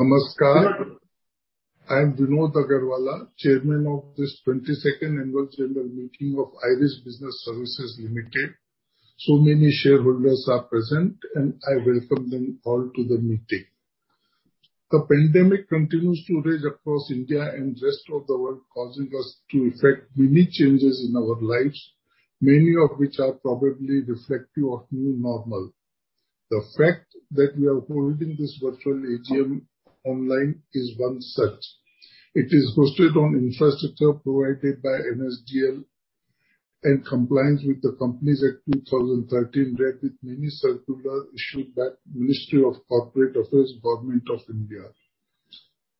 Namaskar. I'm Vinod Agarwala, Chairman of this 22nd annual general meeting of IRIS Business Services Limited. Many shareholders are present, and I welcome them all to the meeting. The pandemic continues to rage across India and rest of the world, causing us to effect many changes in our lives, many of which are probably reflective of new normal. The fact that we are holding this virtual AGM online is one such. It is hosted on infrastructure provided by NSDL in compliance with the Companies Act, 2013 read with many circulars issued by Ministry of Corporate Affairs, Government of India.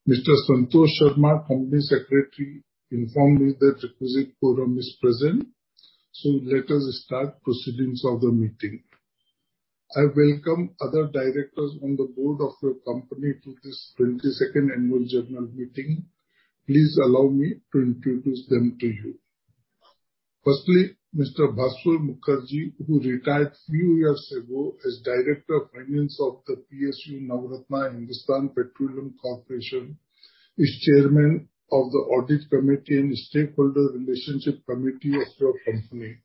Mr. Santosh Sharma, Company Secretary, informed me that requisite quorum is present. Let us start proceedings of the meeting. I welcome other directors on the board of your company to this 22nd annual general meeting. Please allow me to introduce them to you. Firstly, Mr. Bhaswar Mukherjee, who retired a few years ago as Director of Finance of the PSU Navratna Hindustan Petroleum Corporation, is Chairman of the Audit Committee and Stakeholder Relationship Committee of your company.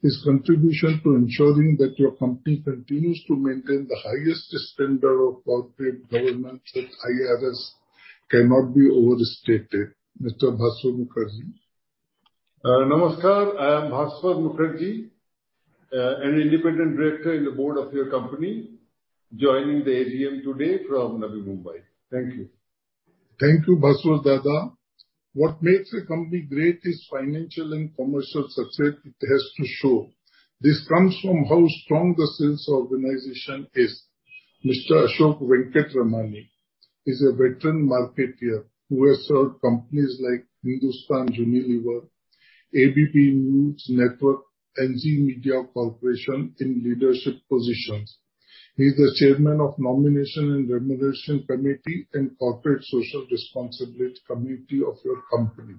His contribution to ensuring that your company continues to maintain the highest standard of corporate governance with IRIS cannot be overstated. Mr. Bhaswar Mukherjee. Namaskar. I am Bhaswar Mukherjee, an independent director in the board of your company, joining the AGM today from Navi Mumbai. Thank you. Thank you, Bhaswar. What makes a company great is financial and commercial success it has to show. This comes from how strong the sales organization is. Mr. Ashok Venkatramani is a veteran marketer who has served companies like Hindustan Unilever, ABP Network, and Zee Media Corporation in leadership positions. He is the Chairman of Nomination and Remuneration Committee and Corporate Social Responsibility Committee of your company.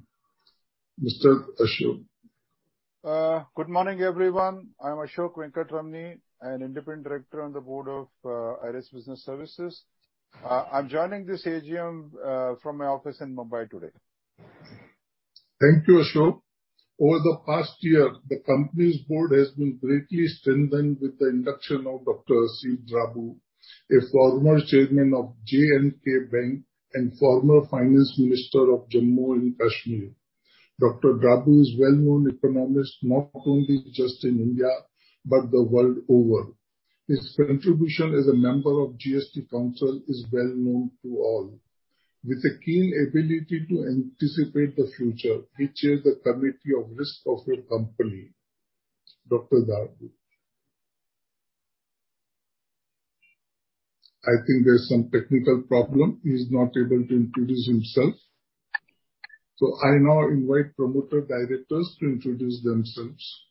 Mr. Ashok. Good morning, everyone. I'm Ashok Venkatramani, an Independent Director on the board of IRIS Business Services. I'm joining this AGM from my office in Mumbai today. Thank you, Ashok. Over the past year, the company's board has been greatly strengthened with the induction of Dr. Haseeb Drabu, a former Chairman of J&K Bank and former Finance Minister of Jammu and Kashmir. Dr. Drabu is well-known economist not only just in India but the world over. His contribution as a member of GST Council is well-known to all. With a keen ability to anticipate the future, he chairs the Committee of Risk of your company. Dr. Drabu. I think there's some technical problem. He's not able to introduce himself. I now invite promoter directors to introduce themselves.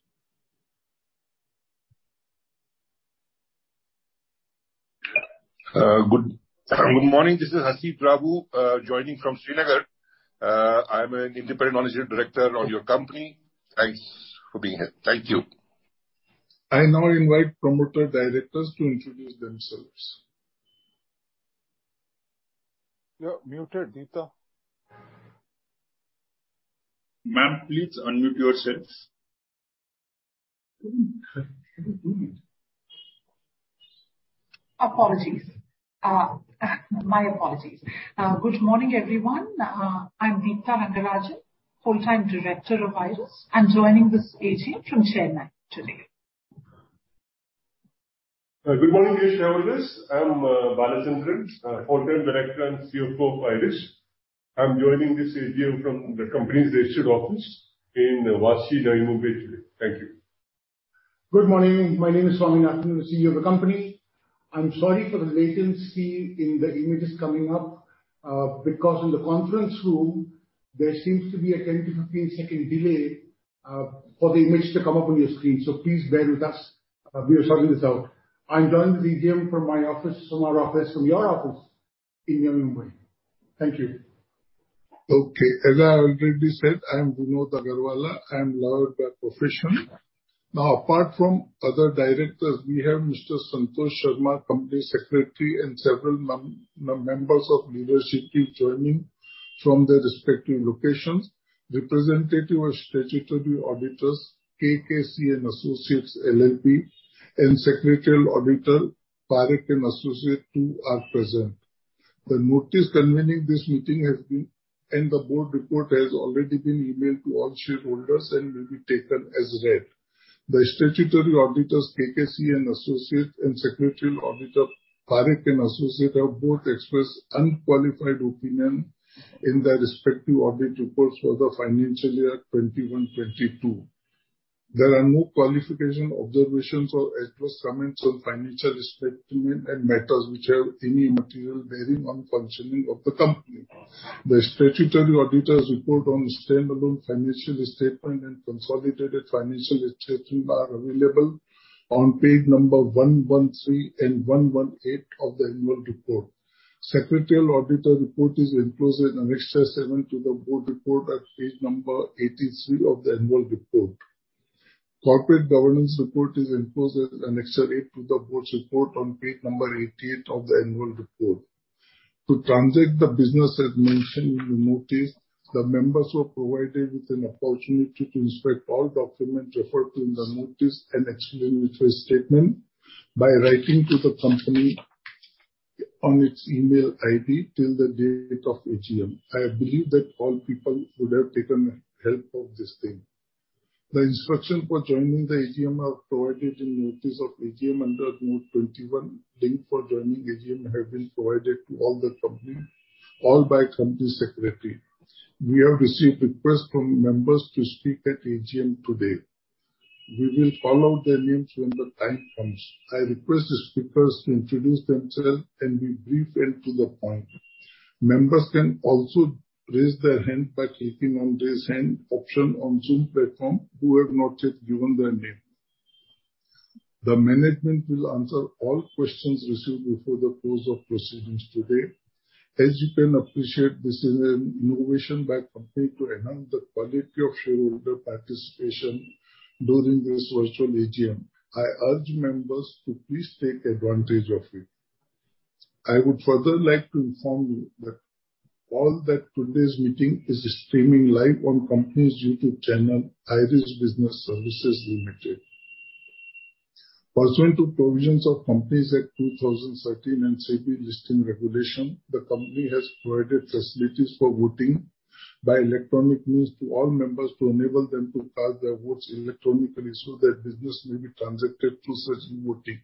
Good morning. This is Haseeb Drabu joining from Srinagar. I'm an independent non-executive director on your company. Thanks for being here. Thank you. I now invite promoter directors to introduce themselves. You are muted, Deepta. Ma'am, please unmute yourself. How do you do it? My apologies. Good morning, everyone. I'm Deepta Rangarajan, Full-Time Director of IRIS. I'm joining this AGM from Chennai today. Good morning, dear shareholders. I'm Balachandran, Full-Time Director and CFO of IRIS. I'm joining this AGM from the company's registered office in Vashi, Navi Mumbai today. Thank you. Good morning. My name is Swaminathan, the CEO of the company. I'm sorry for the latency in the images coming up, because in the conference room there seems to be a 10-second to 15-second delay, for the image to come up on your screen. Please bear with us. We are sorting this out. I'm joining the AGM from my office, from our office, from your office in Mumbai. Thank you. Okay. As I already said, I am Vinod Agarwala. I am lawyer by profession. Now, apart from other directors, we have Mr. Santosh Sharma, Company Secretary, and several members of leadership team joining from their respective locations. Representative of statutory auditors, KKC & Associates LLP, and secretarial auditor, Parikh & Associates too are present. The notice convening this meeting has been, and the board report has already been emailed to all shareholders and will be taken as read. The statutory auditors, KKC & Associates and secretarial auditor, Parikh & Associates, have both expressed unqualified opinion in their respective audit reports for the financial year 2021-2022. There are no qualification observations or adverse comments on financial statement and matters which have any material bearing on functioning of the company. The statutory auditor's report on standalone financial statement and consolidated financial statement are available on page number 113 and 118 of the annual report. Secretarial auditor report is enclosed in Annexure 7 to the board report at page number 83 of the annual report. Corporate governance report is enclosed as an Annexure 8 to the Board's report on page number 88 of the annual report. To transact the business as mentioned in the notice, the members were provided with an opportunity to inspect all documents referred to in the notice and explain with a statement by writing to the company on its email ID till the date of AGM. I believe that all people would have taken help of this thing. The instruction for joining the AGM are provided in notice of AGM under note 21. link for joining the AGM has been provided to all the members by the company secretary. We have received requests from members to speak at the AGM today. We will call out their names when the time comes. I request the speakers to introduce themselves and be brief and to the point. Members can also raise their hand by clicking on the Raise Hand option on the Zoom platform who have not yet given their name. The management will answer all questions received before the close of proceedings today. As you can appreciate, this is an innovation by the company to enhance the quality of shareholder participation during this virtual AGM. I urge members to please take advantage of it. I would further like to inform you that today's meeting is streaming live on the company's YouTube channel, IRIS Business Services Limited. Pursuant to provisions of Companies Act 2013 and SEBI Listing Regulations, the company has provided facilities for voting by electronic means to all members to enable them to cast their votes electronically so that business may be transacted through such e-voting.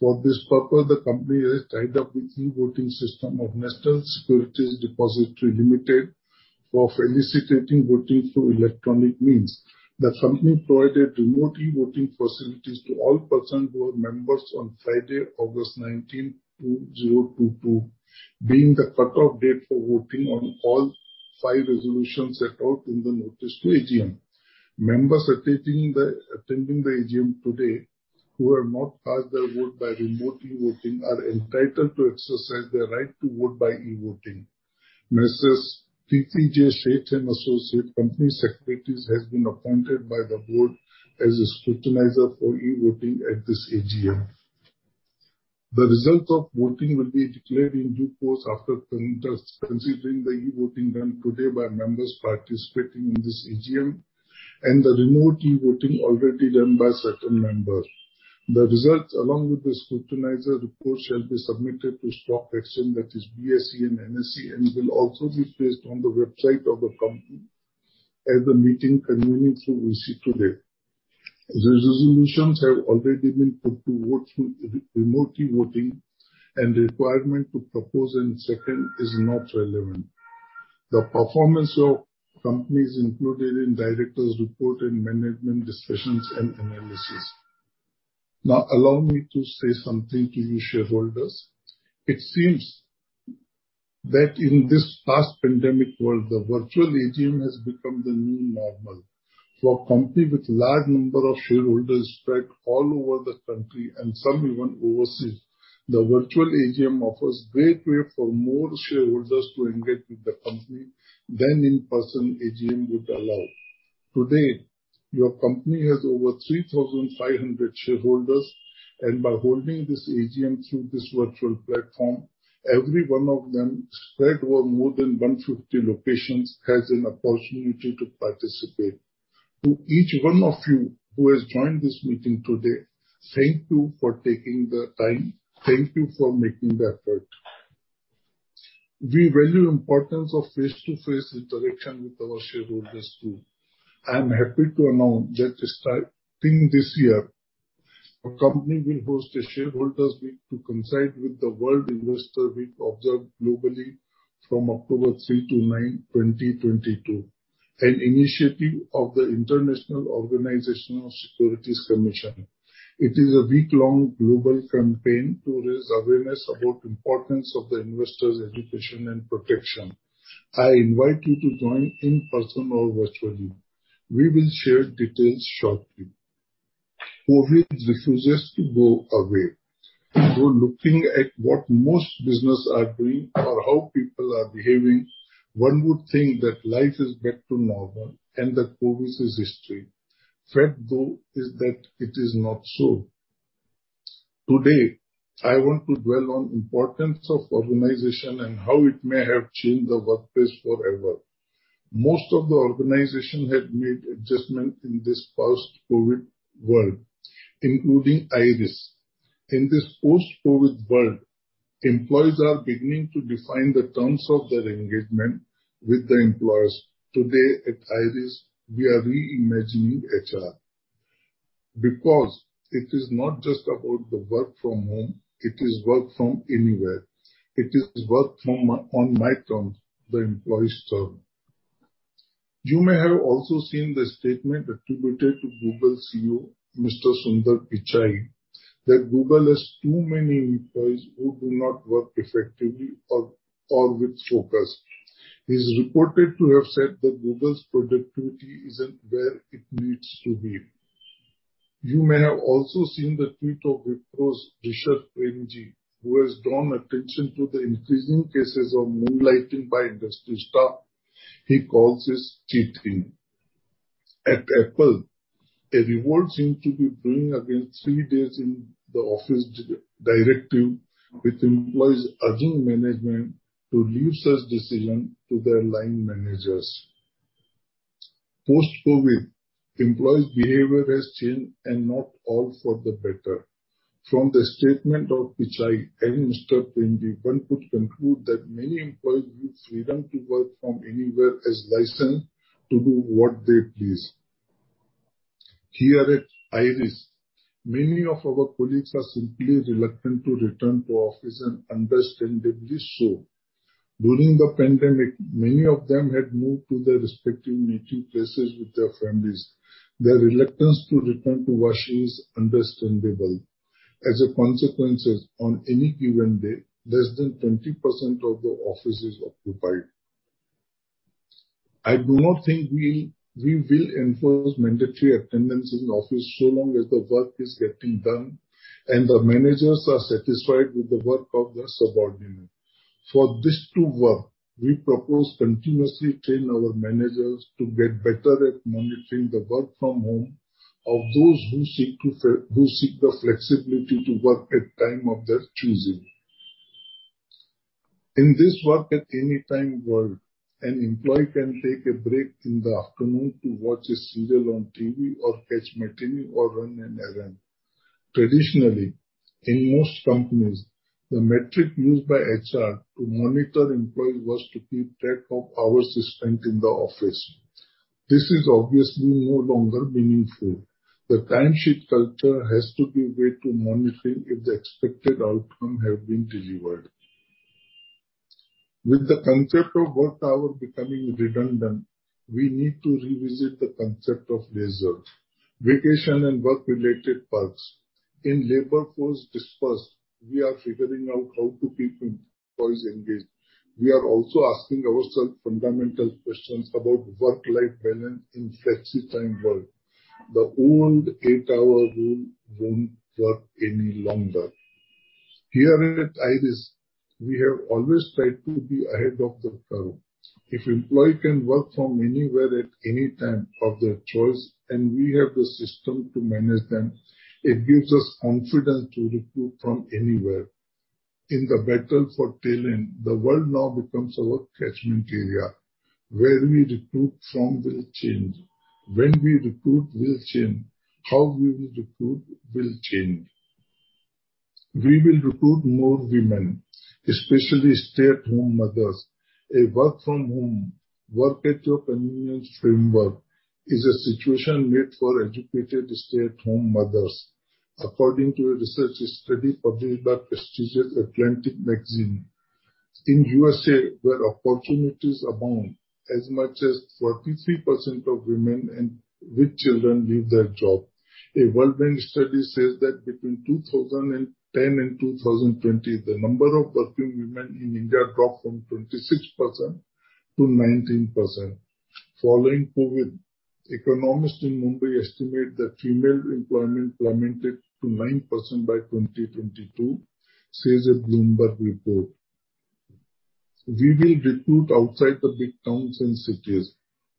For this purpose, the company has tied up with e-voting system of National Securities Depository Limited for eliciting voting through electronic means. The company provided remote e-voting facilities to all persons who are members on Friday, August 19, 2022, being the cut-off date for voting on all five resolutions set out in the notice to AGM. Members attending the AGM today who have not cast their vote by remote e-voting are entitled to exercise their right to vote by e-voting. TTJ Sheth & Associates, company secretaries, has been appointed by the board as a scrutinizer for e-voting at this AGM. The result of voting will be declared in due course after considering the e-voting done today by members participating in this AGM and the remote e-voting already done by certain members. The results, along with the scrutinizer report, shall be submitted to stock exchange, that is BSE and NSE, and will also be placed on the website of the company as the meeting concludes today. The resolutions have already been put to vote through remote e-voting and requirement to propose and second is not relevant. The performance of company is included in directors' report and management discussions and analysis. Now allow me to say something to you shareholders. It seems that in this post-pandemic world, the virtual AGM has become the new normal. For a company with large number of shareholders spread all over the country and some even overseas, the virtual AGM offers great way for more shareholders to engage with the company than in-person AGM would allow. Today, your company has over 3,500 shareholders, and by holding this AGM through this virtual platform, every one of them, spread over more than 150 locations, has an opportunity to participate. To each one of you who has joined this meeting today, thank you for taking the time. Thank you for making the effort. We value importance of face-to-face interaction with our shareholders, too. I am happy to announce that starting this year, our company will host a shareholders week to coincide with the World Investor Week observed globally from October 3-9, 2022, an initiative of the International Organization of Securities Commissions. It is a week-long global campaign to raise awareness about the importance of the investors' education and protection. I invite you to join in person or virtually. We will share details shortly. COVID refuses to go away. Though looking at what most businesses are doing or how people are behaving, one would think that life is back to normal and that COVID is history. Fact, though, is that it is not so. Today, I want to dwell on the importance of organizations and how it may have changed the workplace forever. Most of the organizations have made adjustments in this post-COVID world, including IRIS. In this post-COVID world, employees are beginning to define the terms of their engagement with the employers. Today at IRIS, we are reimagining HR because it is not just about the work from home, it is work from anywhere. It is work on my terms, the employee's terms. You may have also seen the statement attributed to Google CEO, Mr. Sundar Pichai, that Google has too many employees who do not work effectively or with focus. He's reported to have said that Google's productivity isn't where it needs to be. You may have also seen the tweet of Wipro's Rishad Premji, who has drawn attention to the increasing cases of moonlighting by industry staff. He calls this cheating. At Apple, a revolt seems to be brewing against three days in the office directive, with employees urging management to leave such decision to their line managers. Post-COVID, employees' behavior has changed, and not all for the better. From the statement of Pichai and Mr. Premji, one could conclude that many employees use freedom to work from anywhere as license to do what they please. Here at IRIS, many of our colleagues are simply reluctant to return to office, and understandably so. During the pandemic, many of them had moved to their respective native places with their families. Their reluctance to return to Vashi is understandable. As a consequence, on any given day, less than 20% of the office is occupied. I do not think we will enforce mandatory attendance in office so long as the work is getting done and the managers are satisfied with the work of their subordinate. For this to work, we propose continuously train our managers to get better at monitoring the work from home of those who seek the flexibility to work at time of their choosing. In this work at any time world, an employee can take a break in the afternoon to watch a serial on TV or catch matinee or run an errand. Traditionally, in most companies, the metric used by HR to monitor employees was to keep track of hours they spent in the office. This is obviously no longer meaningful. The timesheet culture has to give way to monitoring if the expected outcome have been delivered. With the concept of work hour becoming redundant, we need to revisit the concept of leisure, vacation and work-related perks. In labor force dispersed, we are figuring out how to keep employees engaged. We are also asking ourselves fundamental questions about work-life balance in flexitime world. The old eight-hour rule won't work any longer. Here at IRIS, we have always tried to be ahead of the curve. If employee can work from anywhere at any time of their choice, and we have the system to manage them, it gives us confidence to recruit from anywhere. In the battle for talent, the world now becomes our catchment area. Where we recruit from will change. When we recruit will change. How we will recruit will change. We will recruit more women, especially stay-at-home mothers. A work from home, work at your convenience framework is a situation made for educated stay-at-home mothers. According to a research study published by prestigious The Atlantic magazine, in USA, where opportunities abound, as much as 43% of women with children leave their job. A World Bank study says that between 2010 and 2020, the number of working women in India dropped from 26% to 19%. Following COVID, economists in Mumbai estimate that female employment plummeted to 9% by 2022, says a Bloomberg report. We will recruit outside the big towns and cities.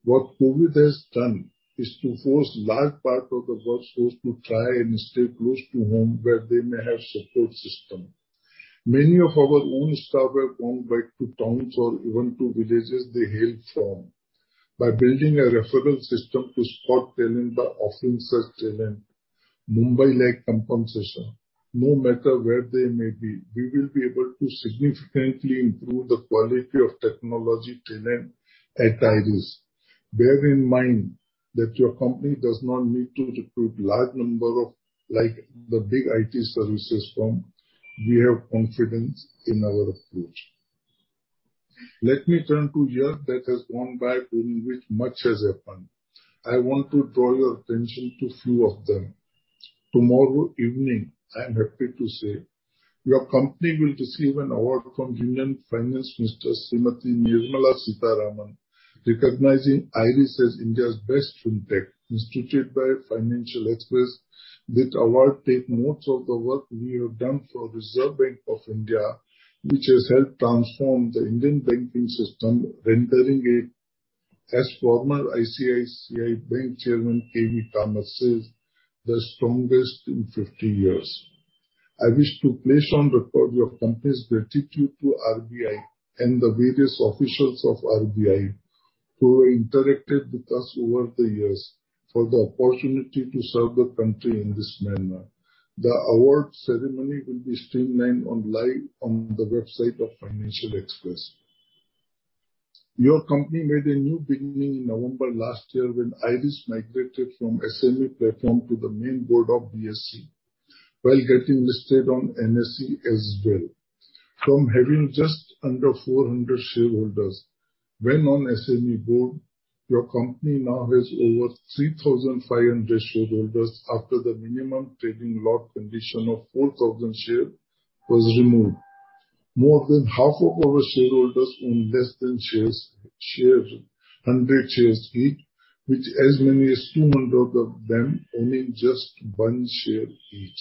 What COVID has done is to force large part of the workforce to try and stay close to home, where they may have support system. Many of our own staff have gone back to towns or even to villages they hailed from. By building a referral system to spot talent by offering such talent Mumbai-like compensation, no matter where they may be, we will be able to significantly improve the quality of technology talent at IRIS. Bear in mind that your company does not need to recruit large number of like the big IT services firm. We have confidence in our approach. Let me turn to year that has gone by, during which much has happened. I want to draw your attention to few of them. Tomorrow evening, I am happy to say, your company will receive an award from Union Finance Minister Srimati Nirmala Sitharaman, recognizing IRIS as India's best Fintech instituted by Financial Express. This award take notes of the work we have done for Reserve Bank of India, which has helped transform the Indian banking system, rendering it, as former ICICI Bank Chairman K. V. Kamath says, "The strongest in 50 years." I wish to place on record your company's gratitude to RBI and the various officials of RBI who interacted with us over the years for the opportunity to serve the country in this manner. The award ceremony will be streamed live on the website of Financial Express. Your company made a new beginning in November last year when IRIS migrated from SME platform to the main board of BSE, while getting listed on NSE as well. From having just under 400 shareholders when on SME board, your company now has over 3,500 shareholders after the minimum trading lot condition of 4,000 shares was removed. More than half of our shareholders own less than 100 shares each, with as many as 200 of them owning just 1 share each.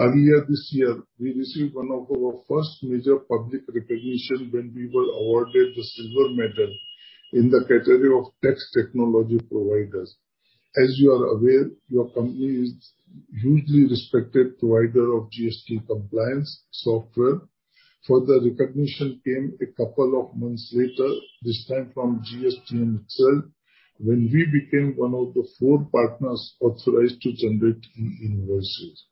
Earlier this year, we received one of our first major public recognition when we were awarded the silver medal in the category of tax technology providers. As you are aware, your company is a hugely respected provider of GST compliance software. Further recognition came a couple of months later, this time from GSTN itself, when we became one of the four partners authorized to generate e-invoices.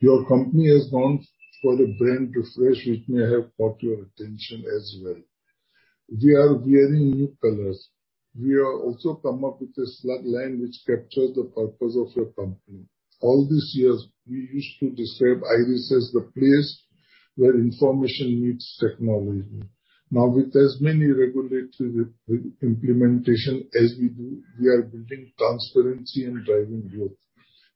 Your company has gone for the brand refresh, which may have caught your attention as well. We are wearing new colors. We have also come up with a tagline which captures the purpose of your company. All these years we used to describe IRIS as the place where information meets technology. Now, with as many regulatory implementations as we do, we are building transparency and driving growth.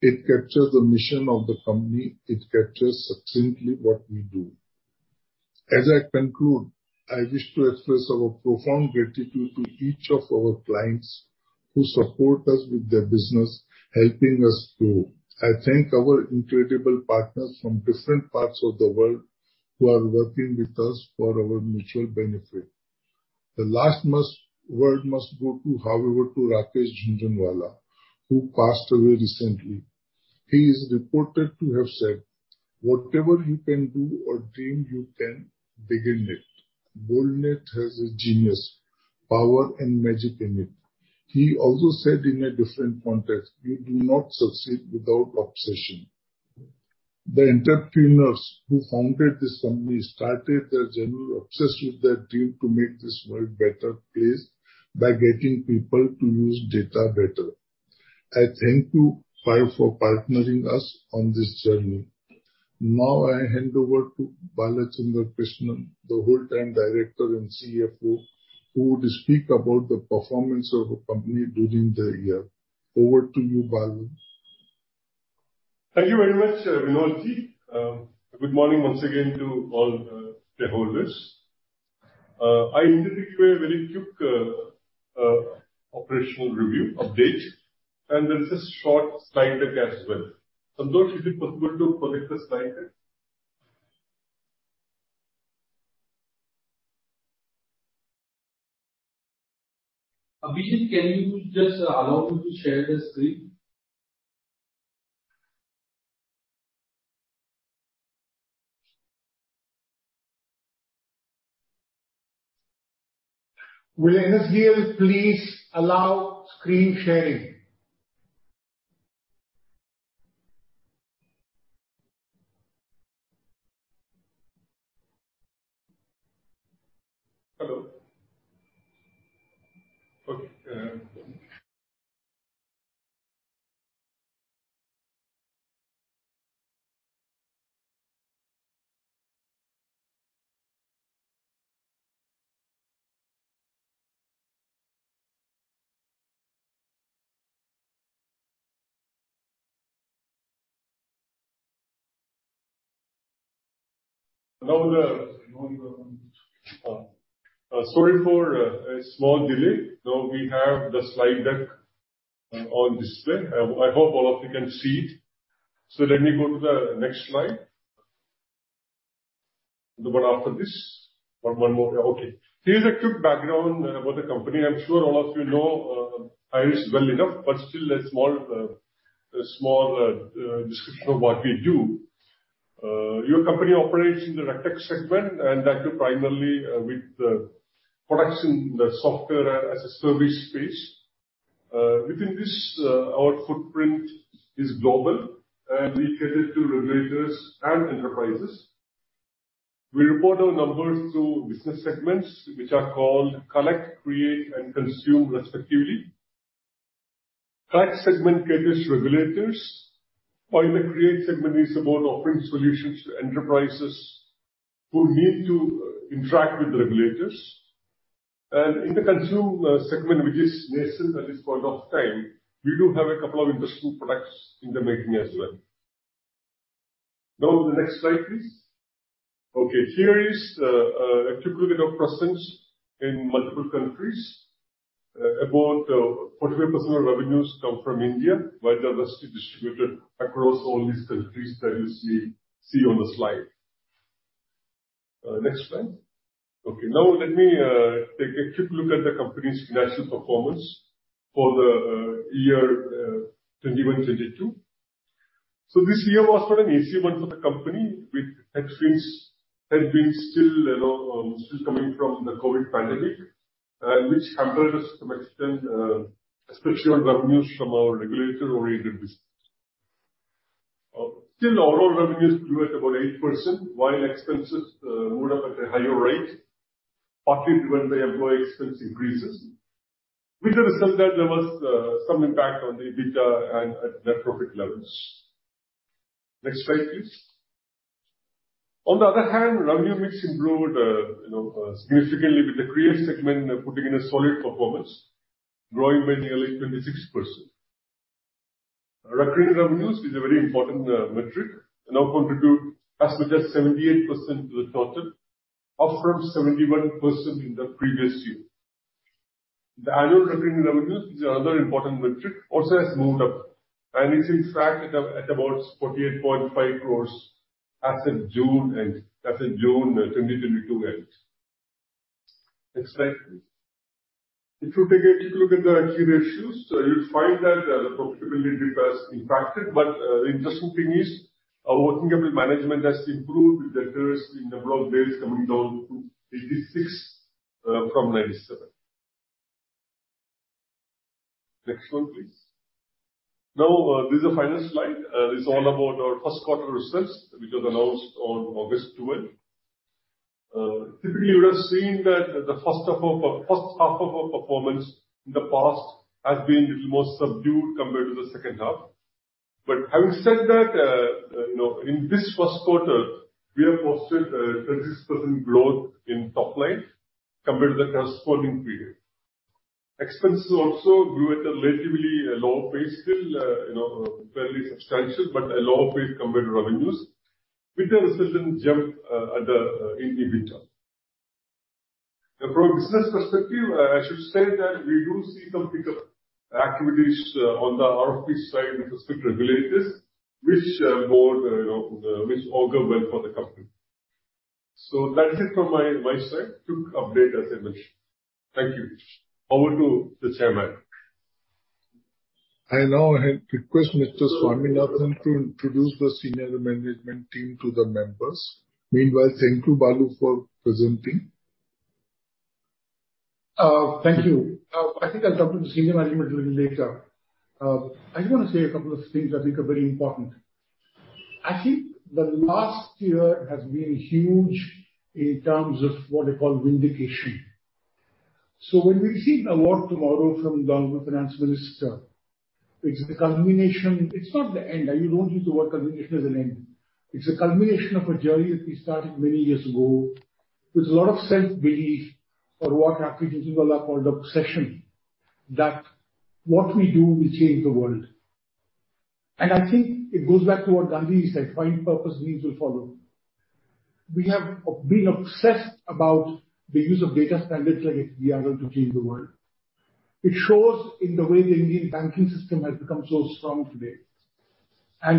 It captures the mission of the company. It captures succinctly what we do. As I conclude, I wish to express our profound gratitude to each of our clients who support us with their business, helping us grow. I thank our incredible partners from different parts of the world who are working with us for our mutual benefit. The last word must go to Rakesh Jhunjhunwala, who passed away recently. He is reported to have said, "Whatever you can do or dream you can, begin it. Boldness has a genius, power and magic in it." He also said in a different context, "You do not succeed without obsession." The entrepreneurs who founded this company started their journey obsessed with their dream to make this world better place by getting people to use data better. I thank you five for partnering us on this journey. Now, I hand over to Balachandran Krishnan, the Whole Time Director and CFO, who would speak about the performance of the company during the year. Over to you, Balu. Thank you very much, Vinodji. Good morning once again to all, shareholders. I introduce you a very quick operational review update, and there's a short slide deck as well. Santosh, is it possible to collect the slide deck? Abhijeet, can you just allow me to share the screen? Will NSDL please allow screen sharing? Hello? Okay. Sorry for a small delay. Now we have the slide deck on display. I hope all of you can see it. Let me go to the next slide. The one after this. One more. Okay. Here's a quick background about the company. I'm sure all of you know IRIS well enough, but still a small description of what we do. Your company operates in the RegTech segment, and that too primarily, with products in the software as a service space. Within this, our footprint is global, and we cater to regulators and enterprises. We report our numbers through business segments which are called Collect, Create, and Consume respectively. Collect segment caters regulators. While the Create segment is about offering solutions to enterprises who need to interact with regulators. In the Consume segment, which is nascent at this point of time, we do have a couple of interesting products in the making as well. Now to the next slide, please. Okay, here is a quick look at our presence in multiple countries. About 45% of revenues come from India, while the rest is distributed across all these countries that you see on the slide. Next slide. Okay. Now let me take a quick look at the company's financial performance for the year 2021-2022. This year was not an easy one for the company with headwinds had been still, you know, still coming from the COVID pandemic, which hampered us to an extent, especially on revenues from our regulator-oriented business. Still overall revenues grew at about 8% while expenses went up at a higher rate, partly due to employee expense increases. With the result that there was some impact on the EBITDA and net profit levels. Next slide, please. On the other hand, revenue mix improved, you know, significantly with the Create segment putting in a solid performance, growing by nearly 26%. Recurring revenues is a very important, metric and now contribute as much as 78% to the total, up from 71% in the previous year. The annual recurring revenues is another important metric, also has moved up, and it sits at about 48.5 crores as of June end, as of June 2022 end. Next slide, please. If you take a quick look at the key ratios, you'll find that, the profitability has been impacted, but, the interesting thing is our working capital management has improved with debtors, the number of days coming down to 86%, from 97%. Next one, please. Now, this is the final slide. This is all about our first quarter results, which was announced on August 12th. Typically, you would have seen that the first half of our performance in the past has been a little more subdued compared to the second half. Having said that, you know, in this first quarter, we have posted a 30% growth in top line compared to the corresponding period. Expenses also grew at a relatively low pace still, you know, fairly substantial, but a lower rate compared to revenues, with a substantial jump at the EBITDA. From business perspective, I should say that we do see some pickup activities on the RFP side with respect to regulators which augur well for the company. That's it from my side. Quick update, as I mentioned. Thank you. Over to the chairman. I now request Mr. Swaminathan to introduce the senior management team to the members. Meanwhile, thank you, Balu, for presenting. Thank you. I think I'll come to the senior management a little later. I just wanna say a couple of things I think are very important. I think the last year has been huge in terms of what I call vindication. When we receive an award tomorrow from government finance minister, it's the culmination. It's not the end. I don't use the word culmination as an end. It's a culmination of a journey that we started many years ago with a lot of self-belief or what our creativity wall called obsession, that what we do will change the world. I think it goes back to what Gandhi said, "Find purpose, means will follow." We have been obsessed about the use of data standards like we are going to change the world. It shows in the way the Indian banking system has become so strong today.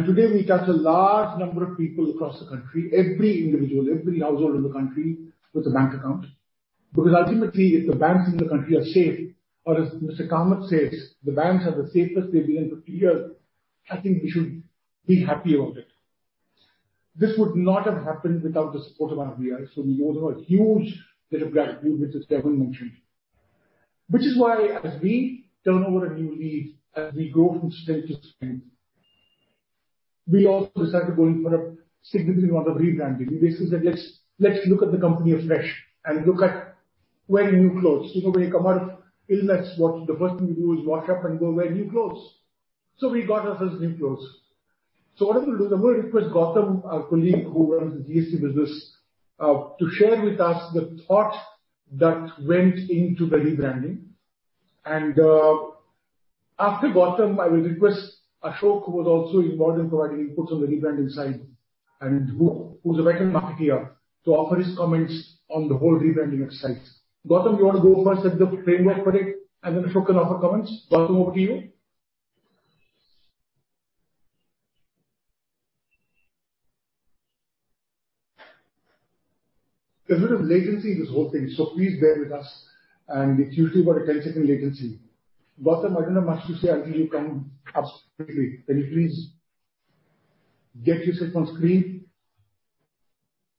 Today we touch a large number of people across the country, every individual, every household in the country with a bank account. Because ultimately, if the banks in the country are safe, or as Mr. Kamath says, "The banks are the safest they've been in 50 years," I think we should be happy about it. This would not have happened without the support of RBI, so we owe them a huge debt of gratitude, which Vinod Agarwala mentioned. Which is why as we turn over a new leaf, as we go from strength to strength, we also decided to go in for a significant amount of rebranding. We basically said, "Let's look at the company afresh and look at wearing new clothes." You know, when you come out of illness, what the first thing we do is wash up and go wear new clothes. We got ourselves new clothes. What I will do is, I'm gonna request Gautam, our colleague who runs the GST business, to share with us the thought that went into the rebranding. After Gautam, I will request Ashok, who was also involved in providing inputs on the rebranding side and who's a veteran marketer, to offer his comments on the whole rebranding exercise. Gautam, you wanna go first, set the framework for it, and then Ashok can offer comments. Gautam, over to you. There's a bit of latency in this whole thing, so please bear with us. If you too got a 10-second latency. Gautam, I don't know, perhaps you stay until you come up on screen. Can you please get yourself on screen?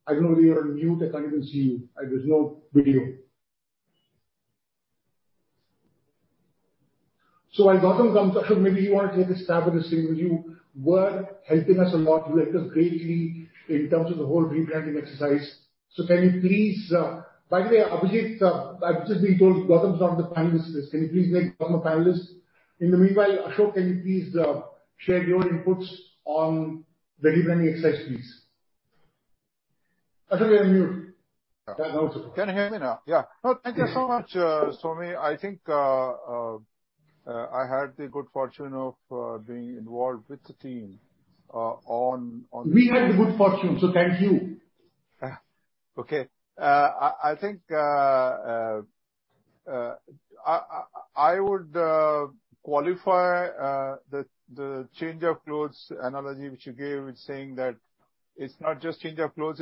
I don't know whether you're on mute. I can't even see you. There's no video. While Gautam comes, Ashok, maybe you want to take a stab at this thing. You were helping us a lot. You helped us greatly in terms of the whole rebranding exercise. Can you please. By the way, Abhijeet, I've just been told Gautam's not on the panelist list. Can you please make Gautam a panelist? In the meanwhile, Ashok, can you please share your inputs on the rebranding exercise, please. Ashok, you're on mute. Can you hear me now? Yeah. Oh, thank you. Thank you so much, Swami. I think I had the good fortune of being involved with the team on We had the good fortune, so thank you. Okay. I think I would qualify the change of clothes analogy which you gave in saying that it's not just change of clothes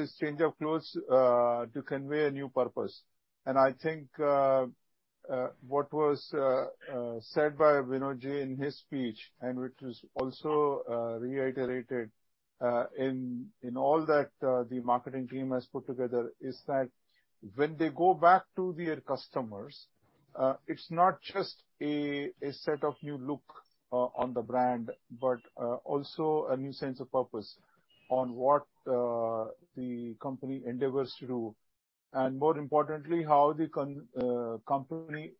to convey a new purpose. I think what was said by Vinod ji in his speech, and which was also reiterated in all that the marketing team has put together, is that when they go back to their customers, it's not just a set of new look on the brand, but also a new sense of purpose on what the company endeavors to do, and more importantly, how the company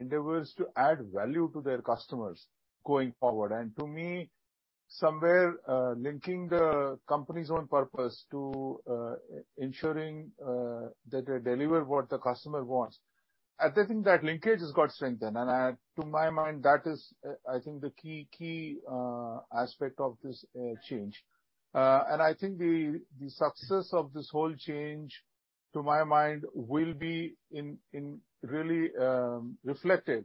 endeavors to add value to their customers going forward. To me, somewhere linking the company's own purpose to ensuring that they deliver what the customer wants. I think that linkage has got strengthened, and to my mind, that is, I think the key aspect of this change. I think the success of this whole change, to my mind, will be in really reflected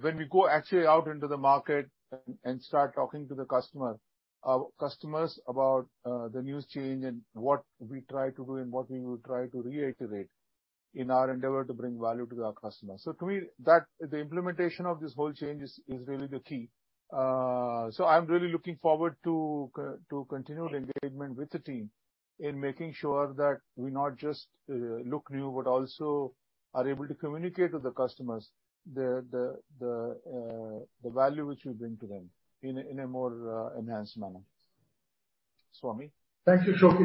when we go actually out into the market and start talking to the customers about the new change and what we try to do and what we will try to reiterate in our endeavor to bring value to our customers. To me, that the implementation of this whole change is really the key. I'm really looking forward to continued engagement with the team in making sure that we not just look new, but also are able to communicate to the customers the value which we bring to them in a more enhanced manner. Swami? Thank you, Ashok.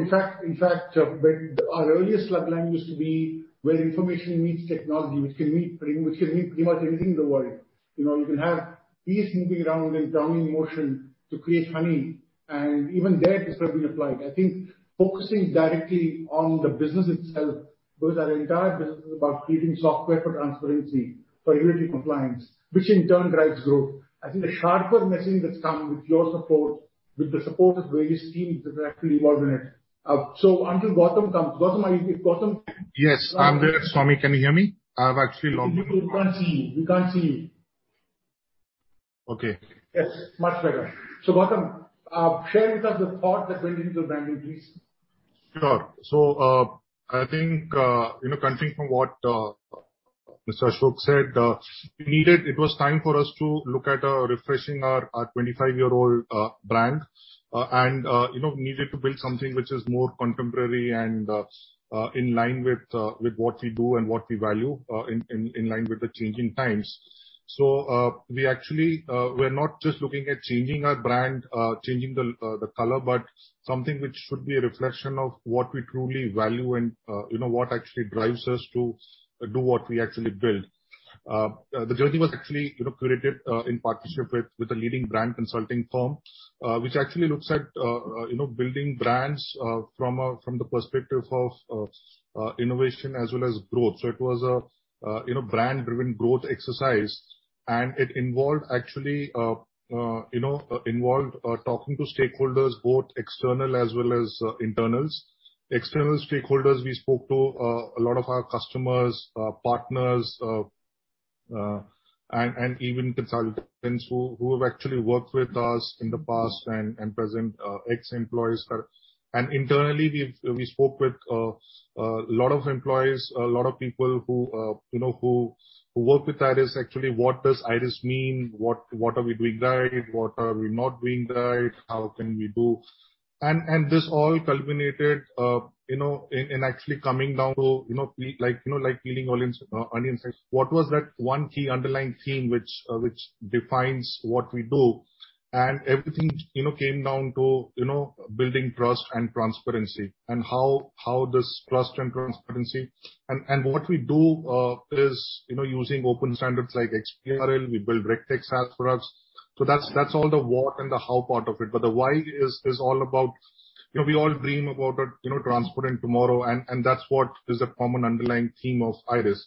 In fact, when our earliest tagline used to be, "Where information meets technology," which can mean pretty much anything in the world. You know, you can have bees moving around in Brownian motion to create honey, and even there this would be applied. I think focusing directly on the business itself, because our entire business is about creating software for transparency, for regulatory compliance, which in turn drives growth. I think the sharper messaging that's come with your support, with the support of various teams that are actually involved in it. Until Gautam comes. Gautam, are you Gautam? Yes, I'm here, Swami. Can you hear me? I have actually logged on. We can't see you. Okay. Yes, much better. Gautam, share with us the thought that went into the branding, please. Sure. I think, you know, continuing from what Mr. Ashok said. It was time for us to look at refreshing our 25-year-old brand, and, you know, we needed to build something which is more contemporary and in line with what we do and what we value, in line with the changing times. We actually, we're not just looking at changing our brand, changing the color, but something which should be a reflection of what we truly value and, you know, what actually drives us to do what we actually build. The journey was actually, you know, curated in partnership with a leading brand consulting firm, which actually looks at, you know, building brands from the perspective of innovation as well as growth. It was, you know, brand-driven growth exercise, and it involved actually, you know, talking to stakeholders, both external as well as internal. External stakeholders we spoke to, a lot of our customers, partners, and even consultants who have actually worked with us in the past and present, ex-employees. Internally, we spoke with a lot of employees, a lot of people who, you know, who work with IRIS, actually, what does IRIS mean? What are we doing right? What are we not doing right? How can we do? This all culminated, you know, in actually coming down to, you know, like peeling onions, onion slice. What was that one key underlying theme which defines what we do? Everything, you know, came down to, you know, building trust and transparency and how this trust and transparency. What we do is, you know, using open standards like XBRL. We build RegTech SaaS products. That's all the what and the how part of it. The why is all about, you know, we all dream about a, you know, transparent tomorrow, and that's what is the common underlying theme of IRIS.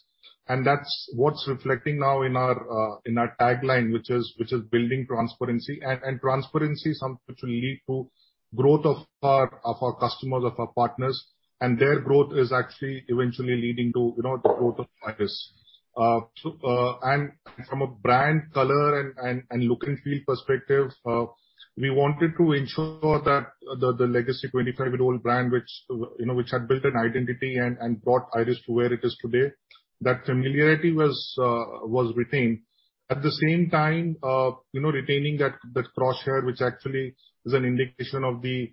That's what's reflecting now in our tagline, which is building transparency. Transparency is something which will lead to growth of our customers, of our partners. Their growth is actually eventually leading to, you know, the growth of IRIS. From a brand color and look and feel perspective, we wanted to ensure that the legacy 25-year-old brand which, you know, which had built an identity and brought IRIS to where it is today, that familiarity was retained. At the same time, you know, retaining that crosshair, which actually is an indication of the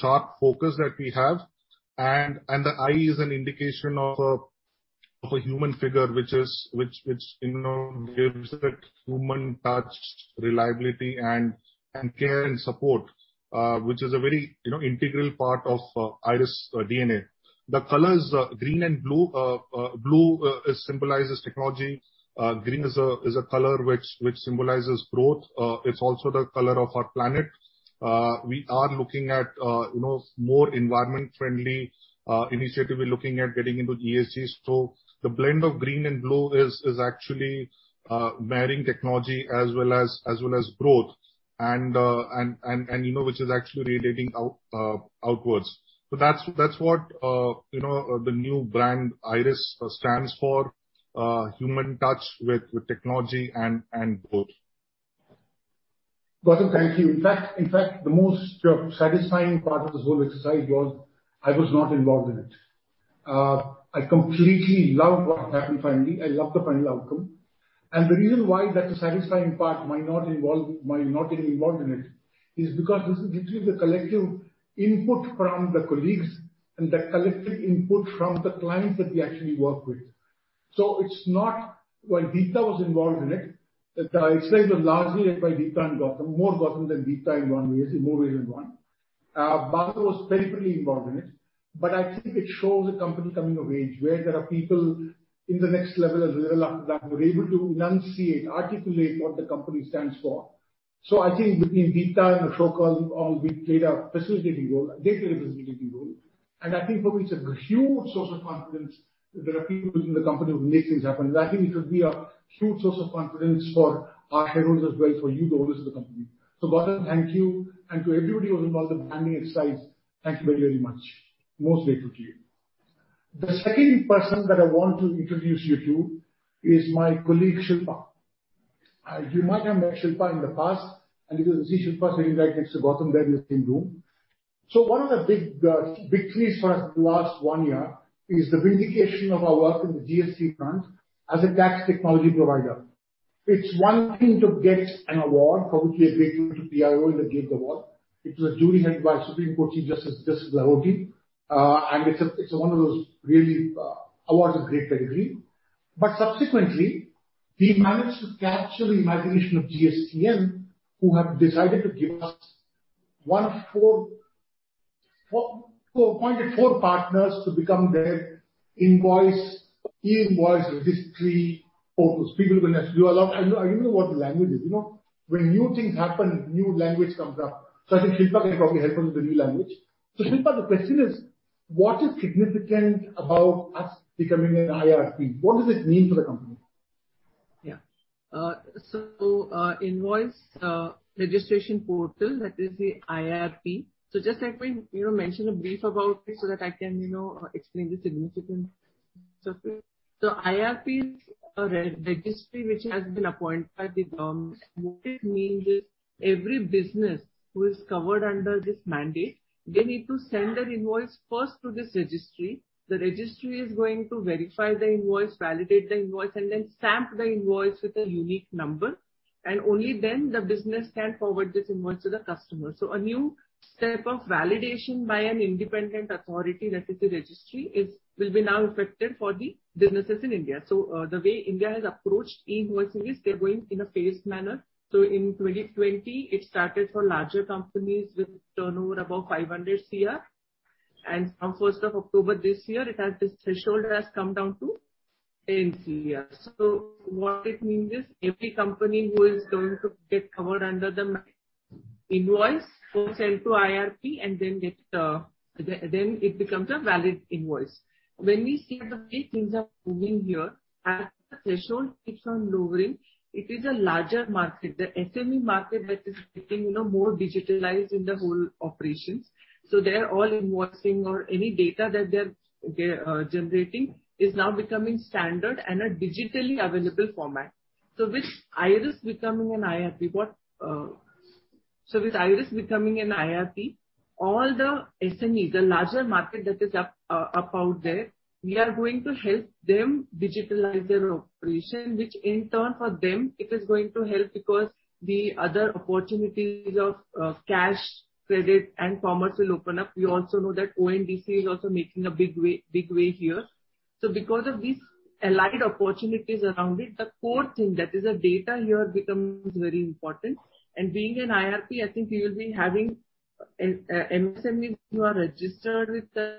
sharp focus that we have. The eye is an indication of a human figure, which is. Which you know, gives that human touch, reliability and care and support, which is a very you know, integral part of IRIS's DNA. The colors are green and blue. Blue symbolizes technology. Green is a color which symbolizes growth. It's also the color of our planet. We are looking at you know, more environment-friendly initiative. We're looking at getting into ESG. The blend of green and blue is actually marrying technology as well as growth and you know, which is actually radiating out outwards. That's what you know the new brand IRIS stands for human touch with technology and growth. Gautam, thank you. In fact, the most satisfying part of this whole exercise was I was not involved in it. I completely love what happened finally. I love the final outcome. The reason why that is satisfying part, my not getting involved in it, is because this is literally the collective input from the colleagues and the collective input from the clients that we actually work with. It's not. Well, Gita was involved in it. The exercise was largely led by Gita and Gautam. More Gautam than Gita, in one way. I say more even than one. Gautam was perfectly involved in it, but I think it shows a company coming of age, where there are people in the next level and the level after that who are able to enunciate, articulate what the company stands for. I think between Deepta and Ashok Venkatramani, we played a facilitating role. They played a facilitating role. I think for me, it's a huge source of confidence that there are people within the company who make things happen. I think it will be a huge source of confidence for our shareholders, as well for you, the owners of the company. Gautam, thank you, and to everybody who was involved in planning it sides, thank you very, very much. Most grateful to you. The second person that I want to introduce you to is my colleague, Shilpa. You might have met Shilpa in the past. If you don't see Shilpa, so you're like, "It's Gautam there in the same room." One of the big victories for us in the last one year is the vindication of our work in the GST front as a tax technology provider. It's one thing to get an award, for which we are grateful to PRI who gave the award. It was a jury headed by Supreme Court Chief Justice Justice Lahoti. It's one of those really awards of great pedigree. Subsequently, we managed to capture the imagination of GSTN, who have decided to give us four partners to become their e-invoice registration portal. People will have to do a lot. You know what the language is, you know? When new things happen, new language comes up. I think Shilpa can probably help us with the new language. Shilpa, the question is, what is significant about us becoming an IRP? What does this mean for the company? Invoice registration portal, that is the IRP. Just like we, you know, mentioned briefly about it so that I can, you know, explain the significance of it. IRP is a registry which has been appointed by the government. What it means is every business who is covered under this mandate, they need to send their invoice first to this registry. The registry is going to verify the invoice, validate the invoice, and then stamp the invoice with a unique number. Only then the business can forward this invoice to the customer. A new step of validation by an independent authority, that is the registry, will be now effective for the businesses in India. The way India has approached e-invoicing is they're going in a phased manner. In 2020, it started for larger companies with turnover above 500 crore. From 1st of October this year, it has. This threshold has come down to 10 crore. What it means is, every company who is going to get covered under the e-invoice mandate will send to IRP and then get, then it becomes a valid invoice. When we see the way things are moving here, as the threshold keeps on lowering, it is a larger market. The SME market that is getting, you know, more digitalized in the whole operations. They're all invoicing or any data that they're generating is now becoming standard and a digitally available format. With IRIS becoming an IRP, what- with IRIS becoming an IRP, all the SMEs, the larger market that is up out there, we are going to help them digitalize their operation, which in turn for them it is going to help because the other opportunities of cash, credit and commerce will open up. We also know that ONDC is also making a big way here. Because of these allied opportunities around it, the core thing that is the data here becomes very important. Being an IRP, I think we will be having MSMEs who are registered with us,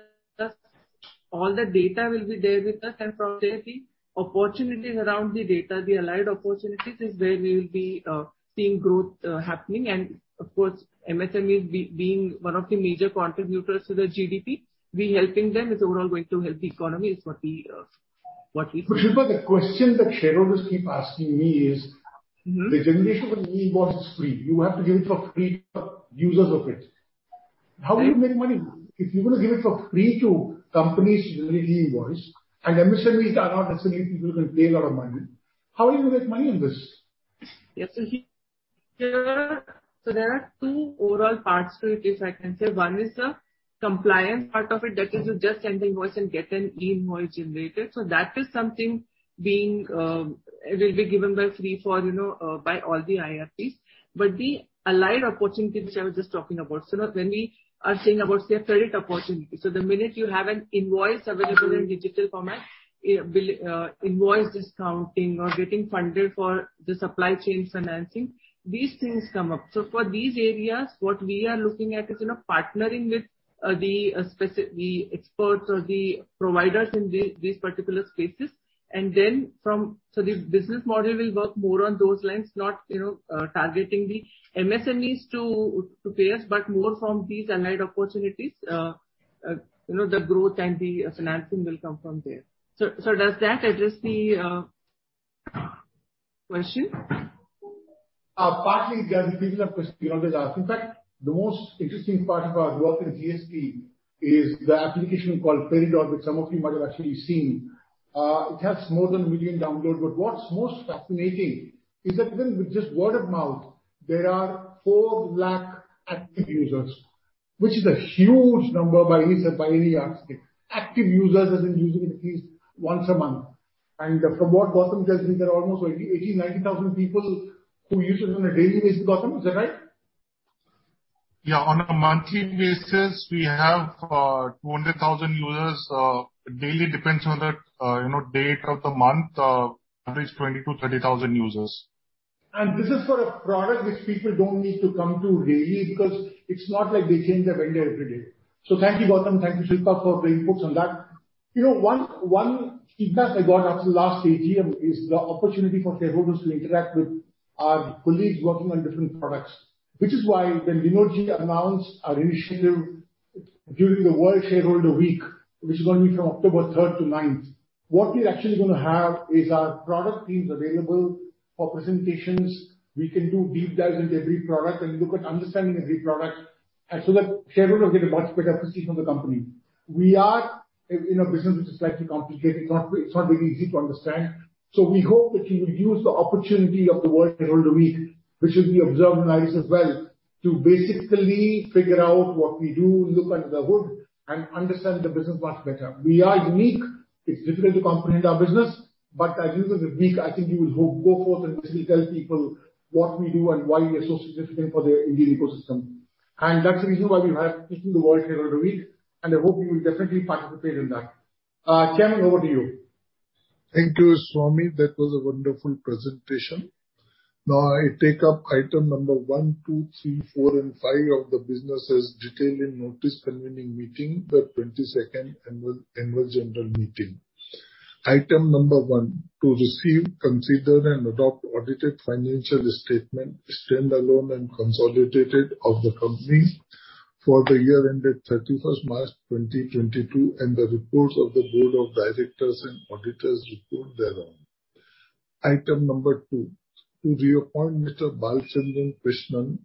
all the data will be there with us and from there the opportunities around the data, the allied opportunities is where we will be seeing growth happening. Of course, MSMEs being one of the major contributors to the GDP, we helping them is overall going to help the economy is what we feel. Shilpa, the question that shareholders keep asking me is- Mm-hmm. The generation of e-invoice is free. You have to give it for free to users of it. How will you make money? If you're gonna give it for free to companies to generate e-invoice, and MSMEs are not necessarily people who can pay a lot of money, how are you gonna make money on this? There are two overall parts to it, if I can say. One is the compliance part of it, that is you just send the invoice and get an e-invoice generated. That is something it will be given for free by all the IRPs. The allied opportunity which I was just talking about. Now when we are saying about say a credit opportunity, the minute you have an invoice available in digital format, bill discounting or invoice discounting or getting funded for the supply chain financing, these things come up. For these areas, what we are looking at is partnering with the experts or the providers in these particular spaces. Then from the business model will work more on those lines, not, you know, targeting the MSMEs to pay us, but more from these allied opportunities, you know, the growth and the financing will come from there. Does that address the question? Partly. There are few other questions we always ask. In fact, the most interesting part of our work in GST is the application called Peridot, which some of you might have actually seen. It has more than 1 million downloads, but what's most fascinating is that even with just word of mouth, there are 4 lakh active users, which is a huge number by any yardstick. Active users as in using it at least once a month. From what Gautam tells me, there are almost 80,000 people, 90,000 people who use it on a daily basis. Gautam, is that right? Yeah. On a monthly basis, we have 200,000 users. Daily, depends on the, you know, date of the month, average 20,000 users-30,000 users. This is for a product which people don't need to come to daily, because it's not like they change their vendor every day. So thank you, Gautam, thank you, Shilpa, for your inputs on that. You know, one feedback I got after the last AGM is the opportunity for shareholders to interact with our colleagues working on different products. Which is why when Vinodji announced our initiative during the World Investor Week, which is gonna be from October 3rd-9th, what we're actually gonna have is our product teams available for presentations. We can do deep dives into every product and look at understanding every product, and so that shareholders get a much better perspective of the company. We are in a business which is slightly complicated. It's not very easy to understand. We hope that you will use the opportunity of the World Investor Week, which should be observed nicely as well, to basically figure out what we do, look under the hood and understand the business much better. We are unique. It's difficult to comprehend our business. At the end of the week, I think you will go forth and basically tell people what we do and why we are so significant for the Indian ecosystem. That's the reason why we have taken the World Investor Week, and I hope you will definitely participate in that. Chairman, over to you. Thank you, Swami. That was a wonderful presentation. Now I take up item number one, two, three, four and five of the business as detailed in notice convening meeting the 22nd annual general meeting. Item number one, to receive, consider and adopt audited financial statement, standalone and consolidated of the company for the year ended 31st March, 2022, and the reports of the board of directors and auditors report thereon. Item number two, to reappoint Mr. Balachandran Krishnan,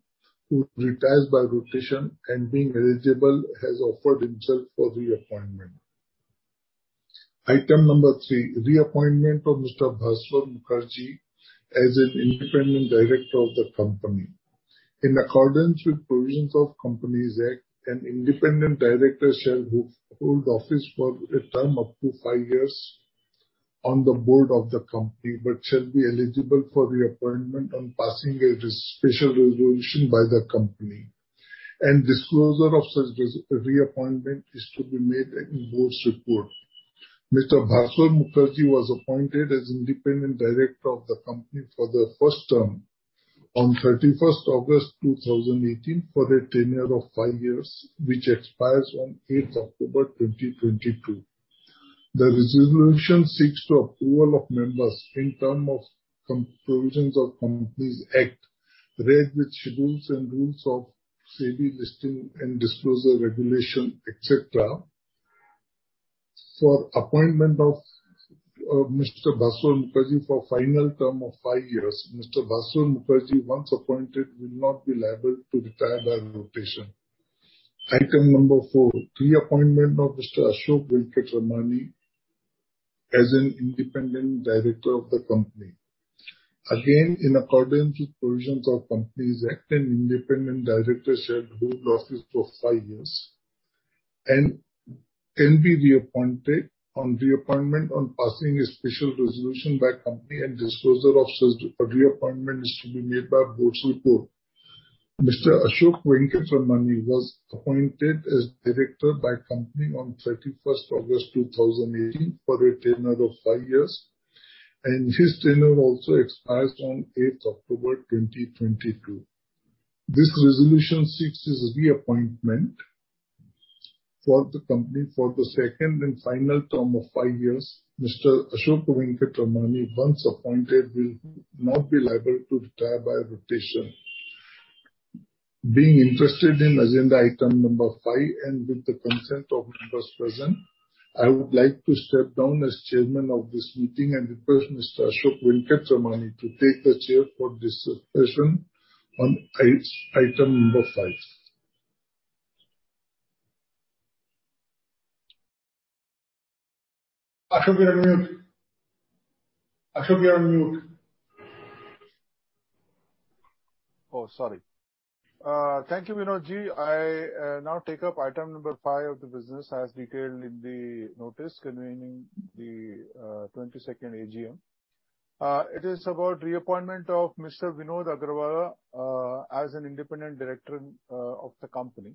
who retires by rotation and being eligible, has offered himself for reappointment. Item number three, reappointment of Mr. Bhaswar Mukherjee as an independent director of the company. In accordance with provisions of Companies Act, an independent director shall hold office for a term up to five years on the board of the company, but shall be eligible for reappointment on passing a special resolution by the company. Disclosure of such re-appointment is to be made in board's report. Mr. Bhaswar Mukherjee was appointed as independent director of the company for the first term on 31st August 2018 for a tenure of five years, which expires on 8th October 2022. The resolution seeks the approval of members in terms of provisions of Companies Act, read with schedules and rules of SEBI listing and disclosure regulations, et cetera, for appointment of Mr. Bhaswar Mukherjee for final term of five years. Mr. Bhaswar Mukherjee, once appointed, will not be liable to retire by rotation. Item number four, reappointment of Mr. Ashok Venkatramani as an independent director of the company. In accordance with provisions of Companies Act, an independent director shall hold office for five years and can be reappointed on reappointment on passing a special resolution by company and disclosure of such reappointment is to be made by board's report. Mr. Ashok Venkatramani was appointed as director by company on 31st August 2018 for a tenure of five years, and his tenure also expires on 8th October 2022. This resolution seeks his reappointment for the company for the second and final term of five years. Mr. Ashok Venkatramani, once appointed, will not be liable to retire by rotation. Being interested in agenda item number five, and with the consent of members present, I would like to step down as chairman of this meeting and request Mr. Ashok Venkatramani to take the chair for discussion on item number five. Ashok, you're on mute. Ashok, you're on mute. Thank you, Vinodji. I now take up item number five of the business as detailed in the notice convening the 22nd AGM. It is about reappointment of Mr. Vinod Agarwala as an independent director of the company.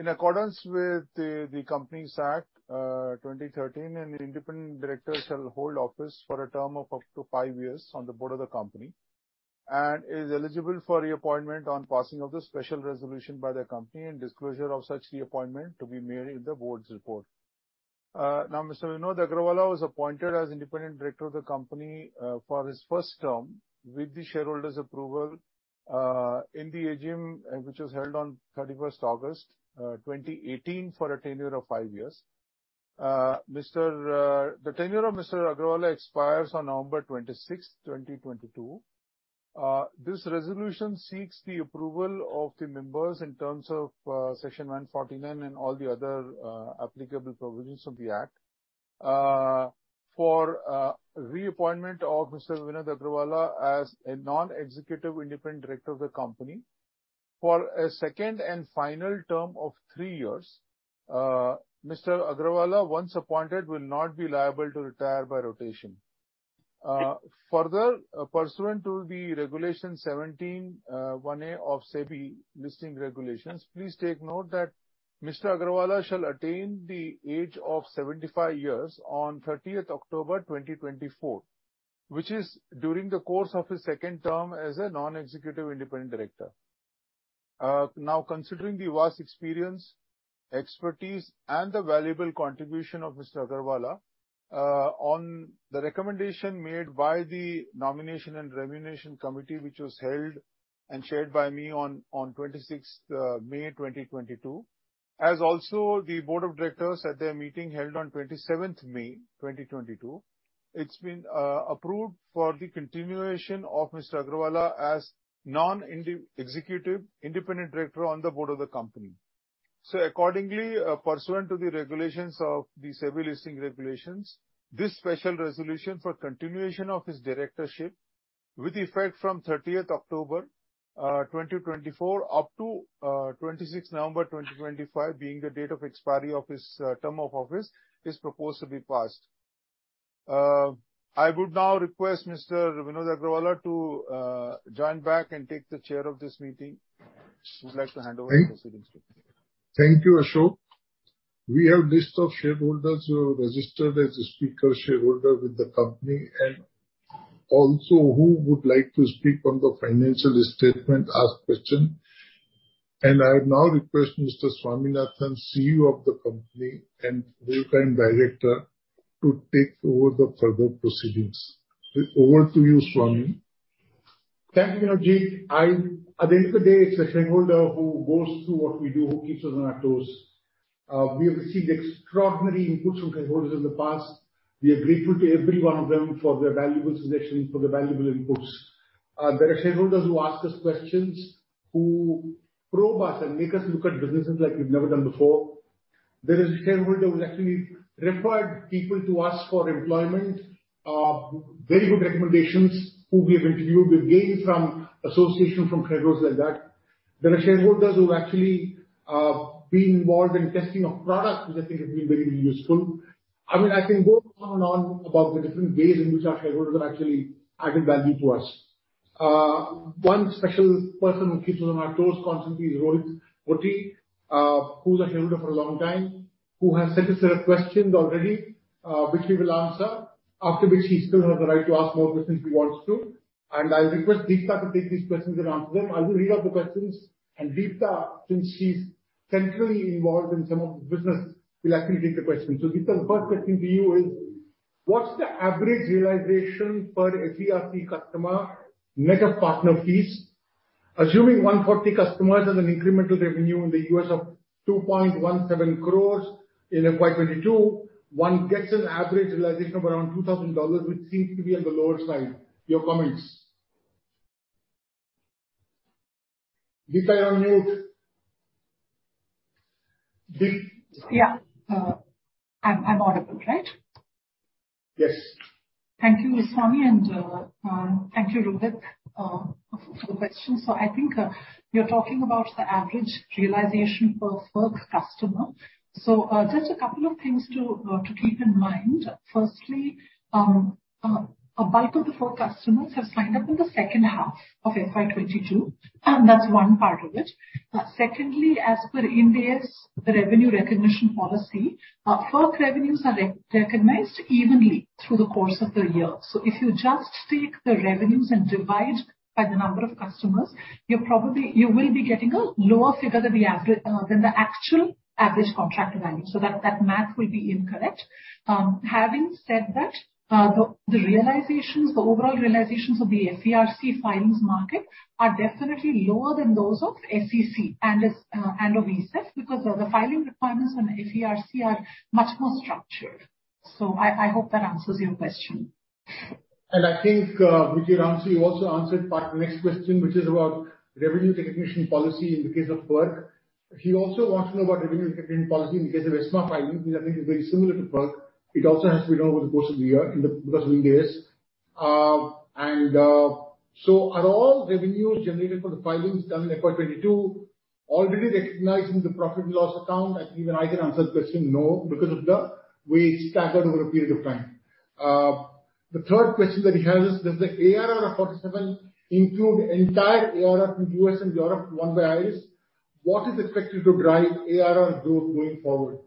In accordance with the Companies Act, 2013, an independent director shall hold office for a term of up to five years on the board of the company and is eligible for reappointment on passing of the special resolution by the company and disclosure of such reappointment to be made in the board's report. Now, Mr. Vinod Agarwala was appointed as independent director of the company for his first term with the shareholders approval in the AGM which was held on 31st August 2018 for a tenure of five years. The tenure of Mr. Agarwala expires on November 26, 2022. This resolution seeks the approval of the members in terms of section 149 and all the other applicable provisions of the Act for reappointment of Mr. Vinod Agarwala as a non-executive independent director of the company for a second and final term of three years. Mr. Agarwala, once appointed, will not be liable to retire by rotation. Further, pursuant to Regulation 17(1A) of SEBI Listing Regulations, please take note that Mr. Agarwala shall attain the age of 75 years on 30th October, 2024, which is during the course of his second term as a non-executive independent director. Now considering the vast experience, expertise, and the valuable contribution of Mr. Agarwala, on the recommendation made by the nomination and remuneration committee, which was held and chaired by me on 26th May 2022. As also the board of directors at their meeting held on 27th May 2022, it's been approved for the continuation of Mr. Agarwala as non-executive independent director on the board of the company. Accordingly, pursuant to the regulations of the SEBI listing regulations, this special resolution for continuation of his directorship with effect from 30th October 2024 up to 26th November 2025, being the date of expiry of his term of office, is proposed to be passed. I would now request Mr. Vinod Agarwala to join back and take the chair of this meeting. I would like to hand over the proceedings to him. Thank you, Ashok. We have list of shareholders who are registered as a speaker shareholder with the company and also who would like to speak on the financial statement, ask question. I would now request Mr. Swaminathan, CEO of the company, and full-time director to take over the further proceedings. Over to you, Swami. Thank you, Anuj. At the end of the day, it's the shareholder who goes through what we do, who keeps us on our toes. We have received extraordinary inputs from shareholders in the past. We are grateful to every one of them for their valuable suggestions, for their valuable inputs. There are shareholders who ask us questions, who probe us and make us look at businesses like we've never done before. There is a shareholder who has actually referred people to us for employment, very good recommendations who we have interviewed. We've gained from association from shareholders like that. There are shareholders who have actually been involved in testing of products, which I think has been very, very useful. I mean, I can go on and on about the different ways in which our shareholders have actually added value to us. One special person who keeps us on our toes constantly is Rohith Potti, who's a shareholder for a long time, who has sent us a set of questions already, which we will answer, after which he still has the right to ask more questions if he wants to. I request Deepta to take these questions and answer them. I will read out the questions, and Deepta, since she's centrally involved in some of the business, will actually take the questions. Deepta, the first question to you is: What's the average realization per FERC customer, net of partner fees? Assuming 140 customers and an incremental revenue in the U.S. of 2.17 crores in FY 2022, one gets an average realization of around $2,000, which seems to be on the lower side. Your comments. Deepta, you're on mute. Deepta. Yeah. I'm audible, right? Yes. Thank you, Swami, and thank you, Rohith, for the question. I think you're talking about the average realization per IRIS customer. Just a couple of things to keep in mind. Firstly, a bulk of the IRIS customers have signed up in the second half of FY 2022, and that's one part of it. Secondly, as per IRIS's revenue recognition policy, IRIS revenues are re-recognized evenly through the course of the year. If you just take the revenues and divide by the number of customers, you will be getting a lower figure than the average, than the actual average contract value. That math will be incorrect. Having said that, the overall realizations of the FERC filings market are definitely lower than those of SEC and of ESEF, because the filing requirements on FERC are much more structured. I hope that answers your question. I think with your answer, you also answered part of the next question, which is about revenue recognition policy in the case of FERC. He also wants to know about revenue recognition policy in the case of ESMA filing, which I think is very similar to FERC. It also has to be done over the course of the year because of Ind AS. Are all revenues generated from the filings done in FY 2022 already recognized in the profit and loss account? I think even I can answer the question no, because of the way it's scattered over a period of time. The third question that he has is does the ARR of 47 crore include entire ARR from U.S. and Europe won by IRIS? What is expected to drive ARR growth going forward?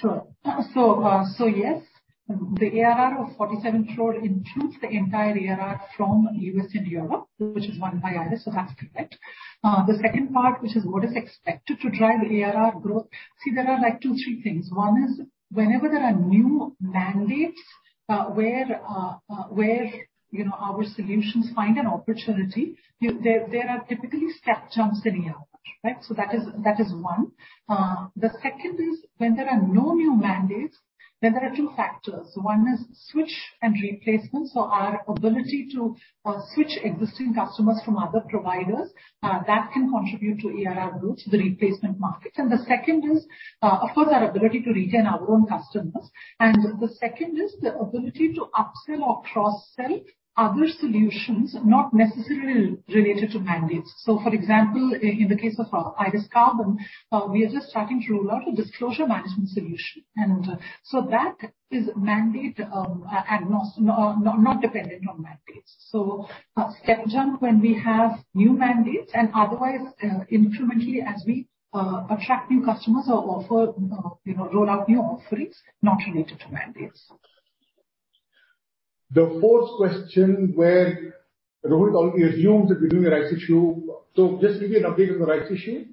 Sure. Yes, the ARR of 47 crore includes the entire ARR from U.S. and Europe, which is won by IRIS. That's correct. The second part, which is what is expected to drive ARR growth. See, there are like two, three things. One is whenever there are new mandates, where you know, our solutions find an opportunity, there are typically step jumps in ARR. Right? That is one. The second is when there are no new mandates, then there are two factors. One is switch and replacement, so our ability to switch existing customers from other providers that can contribute to ARR growth, the replacement markets. The second is, of course, our ability to retain our own customers. The second is the ability to upsell or cross-sell other solutions not necessarily related to mandates. For example, in the case of IRIS Carbon, we are just starting to roll out a disclosure management solution. That is not dependent on mandates. A step jump when we have new mandates and otherwise incrementally as we attract new customers or offer you know roll out new offerings not related to mandates. The fourth question where Rohith already assumes that we're doing a rights issue. Just give you an update on the rights issue.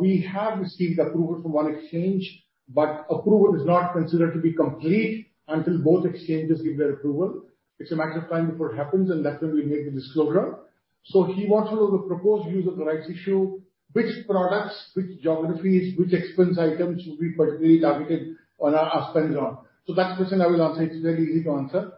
We have received approval from one exchange, but approval is not considered to be complete until both exchanges give their approval. It's a matter of time before it happens, and that's when we make the disclosure. He wants to know the proposed use of the rights issue, which products, which geographies, which expense items will be particularly targeted on our spend round. That question I will answer. It's very easy to answer.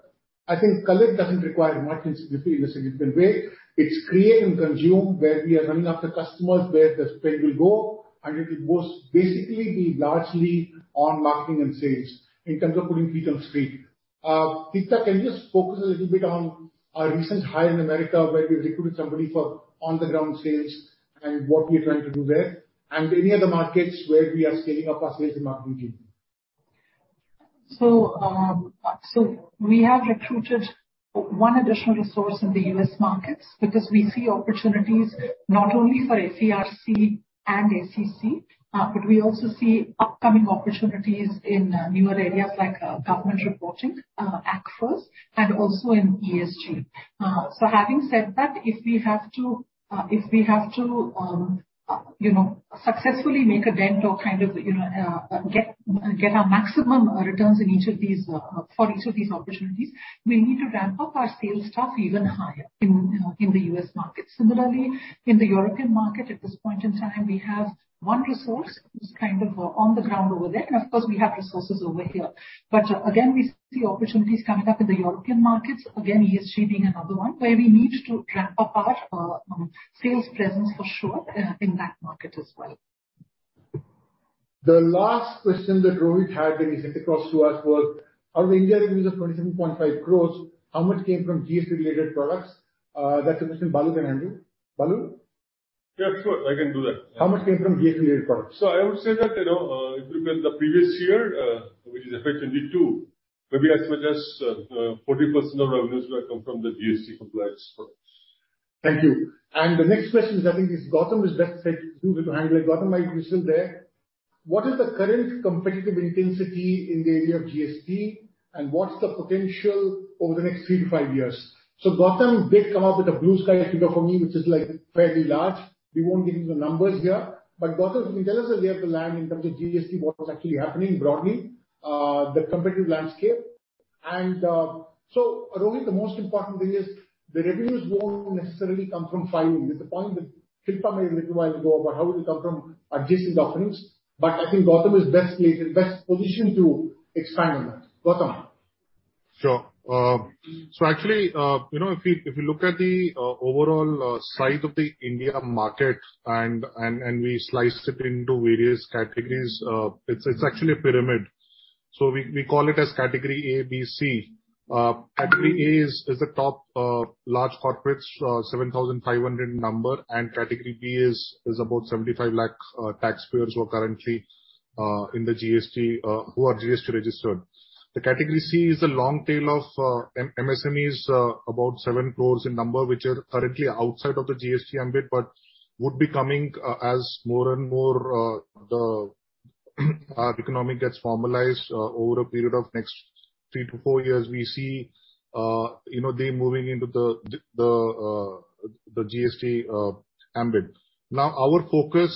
I think Carbon doesn't require much sensitivity in a significant way. It's Create and Consume, where we are running after customers, where the spend will go, and it will most basically be largely on marketing and sales in terms of putting feet on street. Deepta, can you just focus a little bit on our recent hire in America, where we recruited somebody for on-the-ground sales and what we're trying to do there and any other markets where we are scaling up our sales and marketing team. We have recruited one additional resource in the U.S. markets because we see opportunities not only for FERC and ACFR, but we also see upcoming opportunities in newer areas like government reporting, ACERS, and also in ESG. Having said that, if we have to you know successfully make a dent or kind of you know get our maximum returns in each of these for each of these opportunities, we need to ramp up our sales staff even higher in the U.S. market. Similarly, in the European market, at this point in time, we have one resource who's kind of on the ground over there, and of course we have resources over here. Again, we see opportunities coming up in the European markets, again, ESG being another one, where we need to ramp up our sales presence for sure, in that market as well. The last question that Rohith had that he sent across to us was out-of-India revenues of 27.5 crores, how much came from GST related products? That's a question Balu can handle. Balu? Yeah, sure. I can do that. How much came from GST related products? I would say that, you know, if you look at the previous year, which is effectively 2, maybe as much as 40% of revenues will come from the GST compliance products. Thank you. The next question is, I think this Gautam is best placed to handle it. Gautam, are you still there? What is the current competitive intensity in the area of GST and what's the potential over the next three to five years? Gautam did come up with a blue sky figure for me, which is, like, fairly large. We won't get into the numbers here, but Gautam, can you tell us the lay of the land in terms of GST, what's actually happening broadly, the competitive landscape? Rohith, the most important thing is the revenues won't necessarily come from filing. It's a point that Deepta made a little while ago about how it will come from adjacent offerings. I think Gautam is best placed and best positioned to expand on that. Gautam? Sure. Actually, you know, if you look at the overall size of the India market and we slice it into various categories, it's actually a pyramid. We call it as category A, B, C. Category A is the top large corporates, 7,500 in number, and category B is about 75 lakh taxpayers who are currently in the GST who are GST registered. Category C is the long tail of MSMEs, about 7 crore in number, which are currently outside of the GST ambit, but would be coming as more and more the economy gets formalized over a period of next three to four years. We see, you know, they moving into the GST ambit. Now, our focus,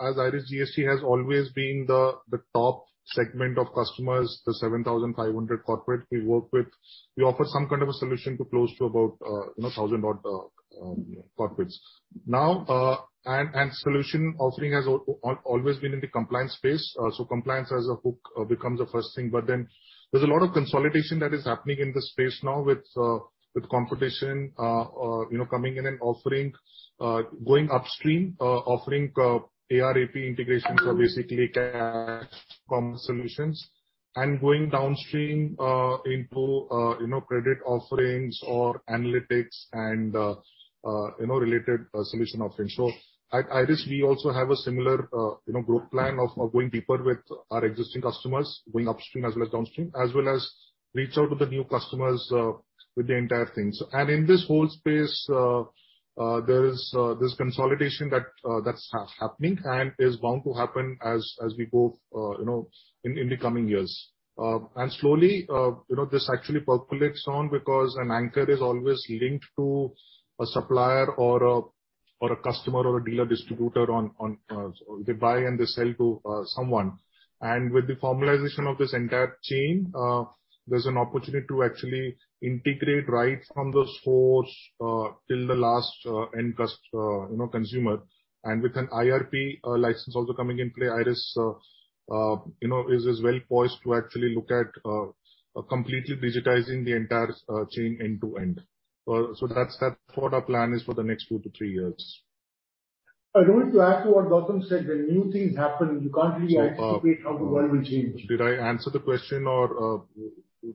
as IRIS GST has always been the top segment of customers, the 7,500 corporates we work with. We offer some kind of a solution to close to about, you know, 1,000 odd corporates. Now, solution offering has always been in the compliance space. So compliance as a hook becomes the first thing. But then there's a lot of consolidation that is happening in the space now with competition, you know, coming in and offering going upstream, offering AR/AP integrations that are basically cash flow solutions and going downstream into, you know, credit offerings or analytics and, you know, related solution offerings. At IRIS, we also have a similar, you know, growth plan of going deeper with our existing customers, going upstream as well as downstream, as well as reach out to the new customers, with the entire thing. In this whole space, there is this consolidation that's happening and is bound to happen as we go, you know, in the coming years. Slowly, you know, this actually percolates on because an anchor is always linked to a supplier or a customer or a dealer distributor on, they buy and they sell to someone. With the formalization of this entire chain, there's an opportunity to actually integrate right from the source till the last end consumer. With an IRP license also coming in play, IRIS, you know, is well poised to actually look at completely digitizing the entire chain end to end. That's what our plan is for the next two to three years. Rohith, to add to what Gautam said, when new things happen, you can't really anticipate how the world will change. Did I answer the question or?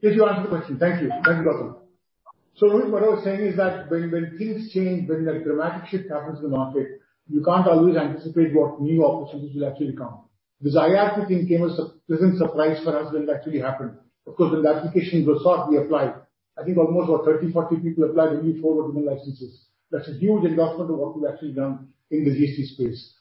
Yes, you answered the question. Thank you. Thank you, Gautam. Rohith, what I was saying is that when things change, when a dramatic shift happens in the market, you can't always anticipate what new opportunities will actually come. This IRP thing came as a pleasant surprise for us when it actually happened. Of course, when the application was sought, we applied. I think almost about 30 people, 40 people applied and we issued four permanent licenses. That's a huge endorsement of what we've actually done in the GST space.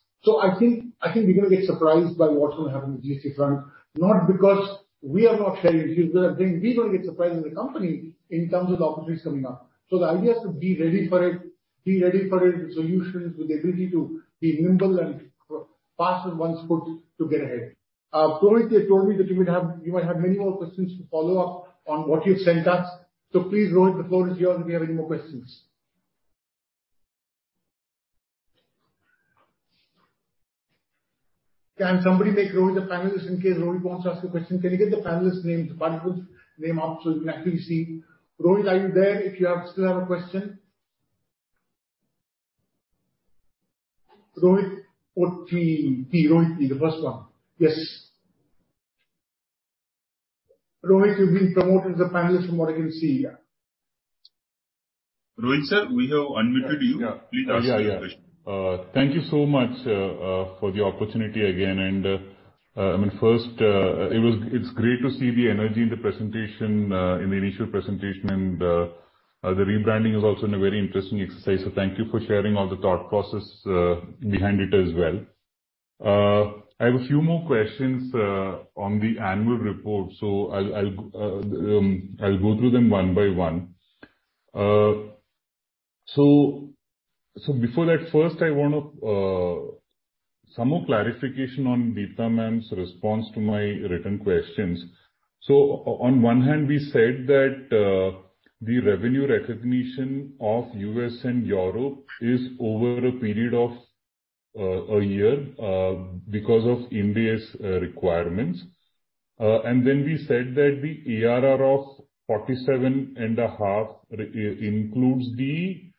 I think we're gonna get surprised by what's gonna happen on the GST front, not because we are not sharing. Because I think we're gonna get surprised as a company in terms of the opportunities coming up. The idea is to be ready for it with solutions, with the ability to be nimble and put feet on the street to get ahead. Rohith, you told me that you might have many more questions to follow up on what you've sent us. Please, Rohith, the floor is yours if you have any more questions. Can somebody make Rohith a panelist in case Rohith wants to ask a question? Can you get the panelist name, Parikh's name up so we can actually see? Rohith, are you there if you still have a question? Rohith Potti. Rohith P., the first one. Yes. Rohith, you've been promoted as a panelist from what I can see. Rohith, sir, we have unmuted you. Yeah. Yeah. Please ask your question. Yeah. Thank you so much for the opportunity again. I mean, first, it's great to see the energy in the presentation, in the initial presentation and the rebranding is also in a very interesting exercise, so thank you for sharing all the thought process behind it as well. I have a few more questions on the annual report, so I'll go through them one by one. Before that, first I wanna some more clarification on Deepta ma'am's response to my written questions. On one hand, we said that the revenue recognition of U.S. and Europe is over a period of a year because of Ind AS requirements. We said that the ARR of 47.5 crore includes the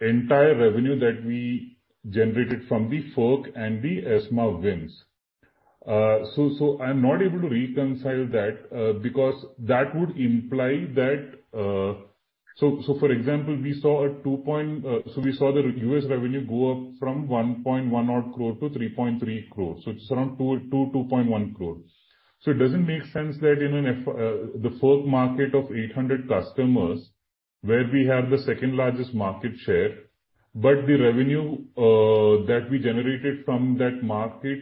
entire revenue that we generated from the FERC and the ESMA wins. I'm not able to reconcile that, because that would imply that for example, we saw the U.S. revenue go up from 1.1-odd crore to 3.3 crores. It's around 2.1 crore. It doesn't make sense that in the FERC market of 800 customers where we have the second largest market share, but the revenue that we generated from that market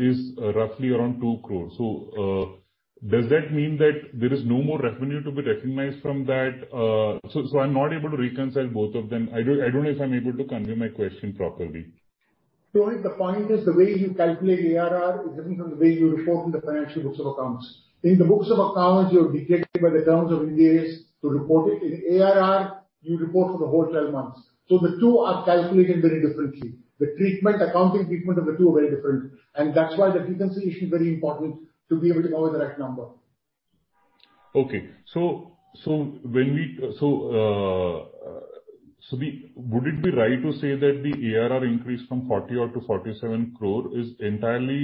is roughly around 2 crore. Does that mean that there is no more revenue to be recognized from that? I'm not able to reconcile both of them. I don't know if I'm able to convey my question properly. Rohith, the point is the way you calculate ARR is different from the way you report in the financial books of accounts. In the books of accounts, you're dictated by the terms of Ind AS to report it. In ARR, you report for the whole 12 months. The two are calculated very differently. The treatment, accounting treatment of the two are very different, and that's why the frequency is very important to be able to know the right number. Would it be right to say that the ARR increase from 40-odd to 47 crore is entirely...?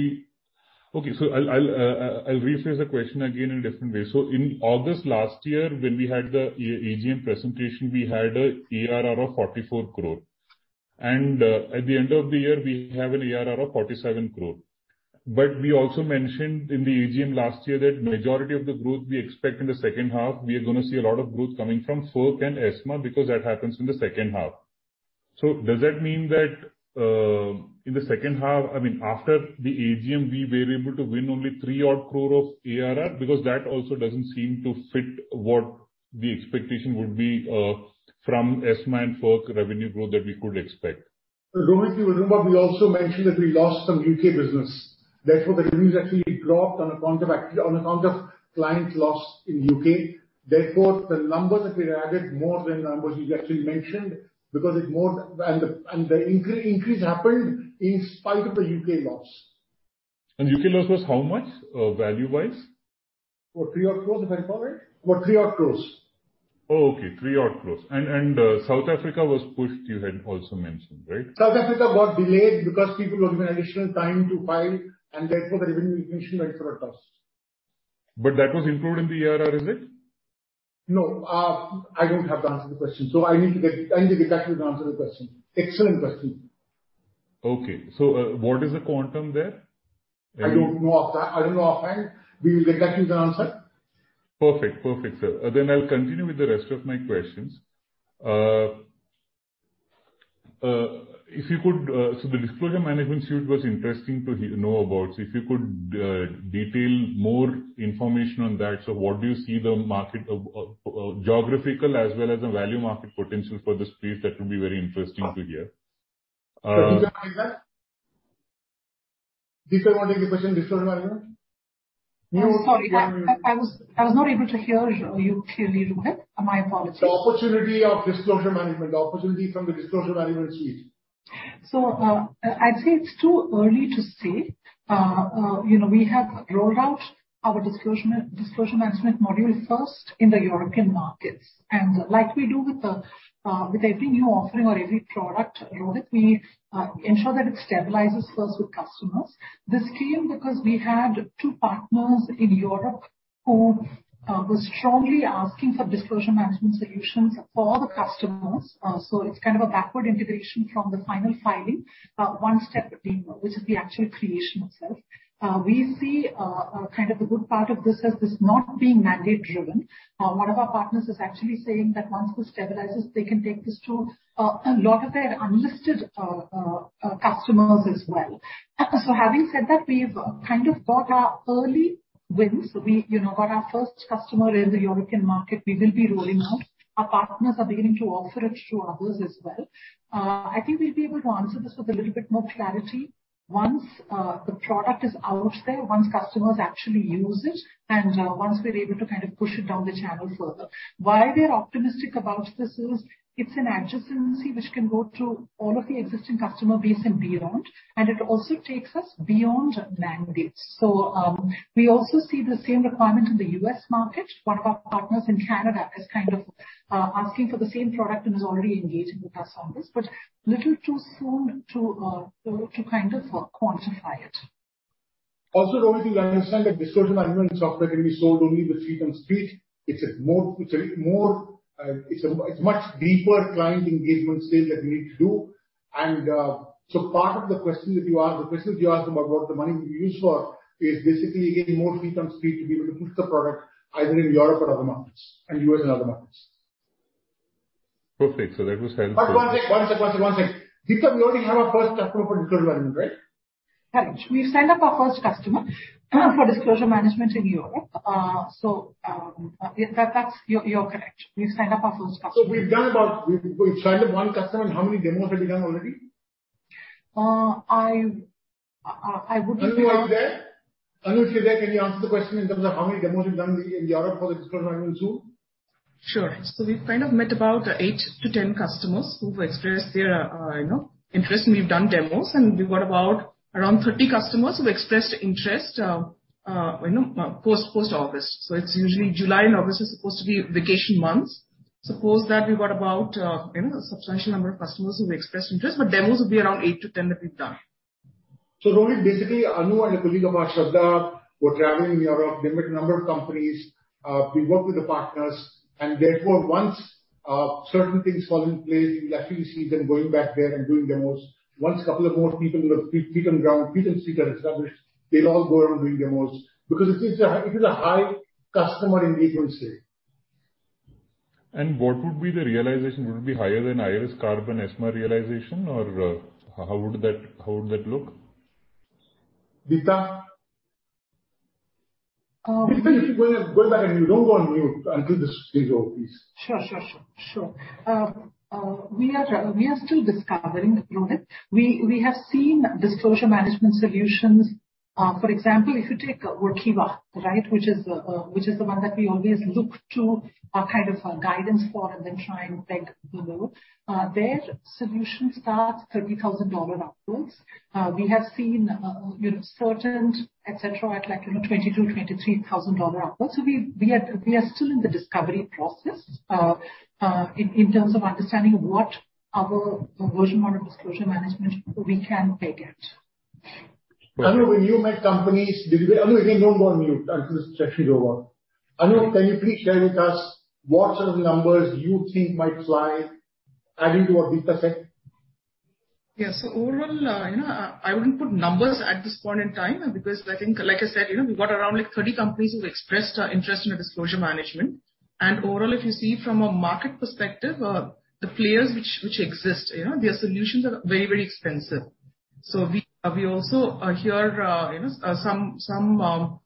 Rephrase the question again in a different way. In August last year, when we had the AGM presentation, we had an ARR of 44 crore. At the end of the year, we have an ARR of 47 crore. We also mentioned in the AGM last year that majority of the growth we expect in the second half, we are gonna see a lot of growth coming from FERC and ESMA because that happens in the second half. Does that mean that, in the second half, I mean, after the AGM, we were able to win only 3-odd crore of ARR? Because that also doesn't seem to fit what the expectation would be, from ESMA and FERC revenue growth that we could expect. Rohith, you remember we also mentioned that we lost some U.K. business. Therefore, the revenue actually dropped on account of clients lost in U.K. Therefore, the number that we added more than numbers we actually mentioned because it more. The increase happened in spite of the U.K. loss. U.K. loss was how much, value-wise? For 3 odd crores, if I recall right. Oh, okay. 3 odd crores. South Africa was pushed, you had also mentioned, right? South Africa got delayed because people were given additional time to file, and therefore the revenue recognition registered a loss. That was included in the ARR, is it? No. I don't have the answer to the question. I need to get back to you to answer the question. Excellent question. Okay. What is the quantum there? I don't know offhand. We will get back to you with the answer. Perfect. Perfect, sir. I'll continue with the rest of my questions. If you could, the Disclosure Management Suite was interesting to know about. If you could, detail more information on that. What do you see the market, geographical as well as the value market potential for the space? That would be very interesting to hear. Deepta, you want to take the question, disclosure management? I'm sorry. I was not able to hear you clearly, Rohith. My apologies. The opportunity of disclosure management. The opportunity from the Disclosure Management Suite. I'd say it's too early to say. You know, we have rolled out our disclosure management module first in the European markets. Like we do with every new offering or every product, Rohith, we ensure that it stabilizes first with customers. This came because we had two partners in Europe who was strongly asking for disclosure management solutions for the customers. It's kind of a backward integration from the final filing, one step deeper, which is the actual creation itself. We see kind of the good part of this as this not being mandate driven. One of our partners is actually saying that once this stabilizes, they can take this to a lot of their unlisted customers as well. Having said that, we've kind of got our early wins. We, you know, got our first customer in the European market we will be rolling out. Our partners are beginning to offer it to others as well. I think we'll be able to answer this with a little bit more clarity once the product is out there, once customers actually use it, and once we're able to kind of push it down the channel further. Why we are optimistic about this is it's an adjacency which can go to all of the existing customer base and beyond, and it also takes us beyond mandates. We also see the same requirement in the U.S. market. One of our partners in Canada is kind of asking for the same product and is already engaging with us on this. Little too soon to kind of quantify it. Also, Rohith, you'll understand that disclosure management software can be sold only with feet on street. It's much deeper client engagement stage that we need to do. Part of the question that you asked about what the money will be used for is basically getting more feet on street to be able to push the product either in Europe or other markets, and U.S. and other markets. Perfect. That was helpful. One second. Deepta, we already have our first customer for disclosure management, right? Correct. We've signed up our first customer for disclosure management in Europe. You're correct. We signed up our first customer. We've signed up one customer, and how many demos have we done already? I wouldn't be able. Anu, are you there? Anu, if you're there, can you answer the question in terms of how many demos we've done in Europe for the disclosure management tool? Sure. We've kind of met about eight to 10 customers who've expressed their, you know, interest, and we've done demos. We've got about around 30 customers who've expressed interest, you know, post-August. It's usually July and August is supposed to be vacation months. Suppose that we've got about, you know, a substantial number of customers who've expressed interest, but demos would be around eight to 10 customers that we've done. Rohith, basically Anu and a colleague of ours, Shraddha, were traveling in Europe. They met a number of companies. We worked with the partners and therefore once certain things fall in place, you'll actually see them going back there and doing demos. Once couple of more people with feet on ground, feet on street are established, they'll all go around doing demos. Because it is a high customer engagement stage. What would be the realization? Would it be higher than IRIS Carbon and ESMA realization or how would that look? Deepta? Deepta, you should go back and you don't go on mute until this is over, please. Sure. We are still discovering, Rohith. We have seen disclosure management solutions. For example, if you take Workiva, right? Which is the one that we always look to, kind of, guidance for and then try and peg below. Their solution starts $30,000 upwards. We have seen, you know, certain et cetera at like, you know, $22,000-$23,000 upwards. So we are still in the discovery process, in terms of understanding what our version of disclosure management we can peg it. Anu, when you met companies. Anu, again, don't go on mute until this session is over. Anu, can you please share with us what sort of numbers you think might fly adding to what Deepta said? Yeah. Overall, you know, I wouldn't put numbers at this point in time because I think, like I said, you know, we've got around like 30 companies who've expressed interest in a disclosure management. Overall, if you see from a market perspective, the players which exist, you know, their solutions are very, very expensive. We also hear, you know,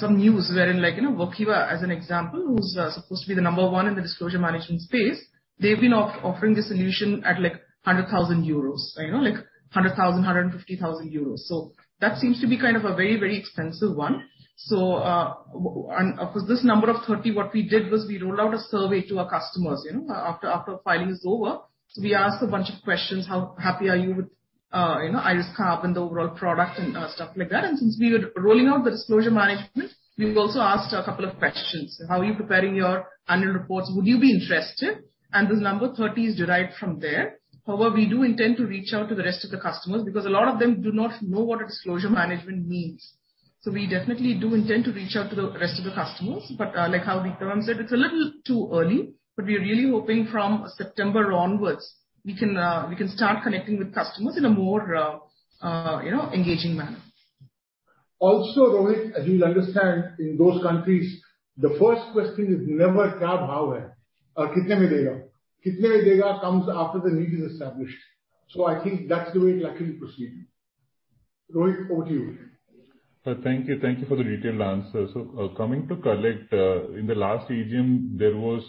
some news wherein like, you know, Workiva as an example, who's supposed to be the number one in the disclosure management space, they've been offering the solution at like 100,000 euros. You know, like 100,000, 150,000 euros. That seems to be kind of a very, very expensive one. Of course this number of 30, what we did was we rolled out a survey to our customers, you know, after filing is over. We asked a bunch of questions, "How happy are you with, you know, IRIS Carbon and the overall product?" and stuff like that. Since we were rolling out the disclosure management, we also asked a couple of questions, "How are you preparing your annual reports? Would you be interested?" This number 30 is derived from there. However, we do intend to reach out to the rest of the customers because a lot of them do not know what a disclosure management means. We definitely do intend to reach out to the rest of the customers. Like how Deepta ma'am said, it's a little too early, but we are really hoping from September onwards, we can start connecting with customers in a more, you know, engaging manner. Also, Rohith, as you'll understand, in those countries, the first question is never or "Kitne mein dega?" "Kitne mein dega?" comes after the need is established. I think that's the way it'll actually proceed. Rohith, over to you. Thank you. Thank you for the detailed answer. Coming to Collect, in the last AGM, there was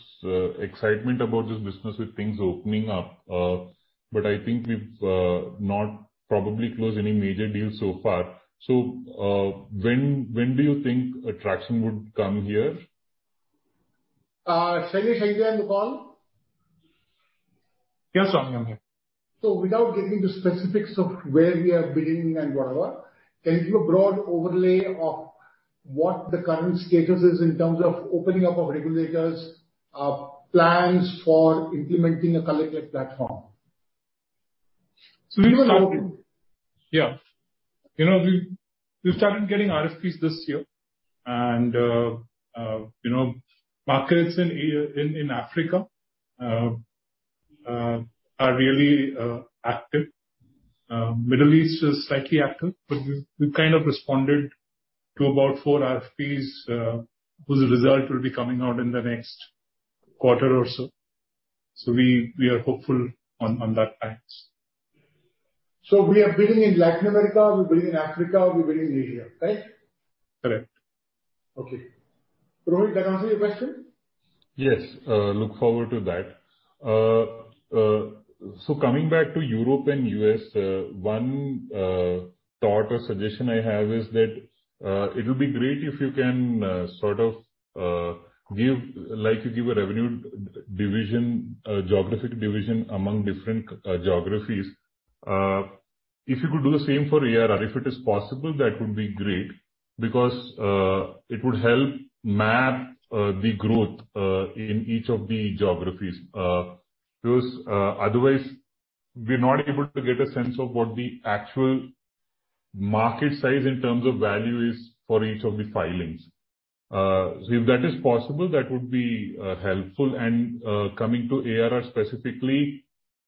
excitement about this business with things opening up. I think we've not probably closed any major deals so far. When do you think attraction would come here? Shailesh, are you on the call? Yes, Ram, I'm here. Without getting into specifics of where we are bidding and whatever, can you give a broad overlay of what the current status is in terms of opening up of regulators, plans for implementing a Collect platform? We will- Yeah. You know, we've started getting RFPs this year and, you know, markets in Africa are really active. Middle East is slightly active, but we've kind of responded to about 4 RFPs, whose result will be coming out in the next quarter or so. We are hopeful on that axis. We are bidding in Latin America, we're bidding in Africa, we're bidding in Asia, right? Correct. Okay. Rohith, does that answer your question? Yes. Look forward to that. Coming back to Europe and U.S., one thought or suggestion I have is that it would be great if you can sort of give, like you give a revenue division, geographic division among different geographies. If you could do the same for ARR, if it is possible, that would be great because it would help map the growth in each of the geographies because otherwise we're not able to get a sense of what the actual market size in terms of value is for each of the filings. If that is possible, that would be helpful. Coming to ARR specifically,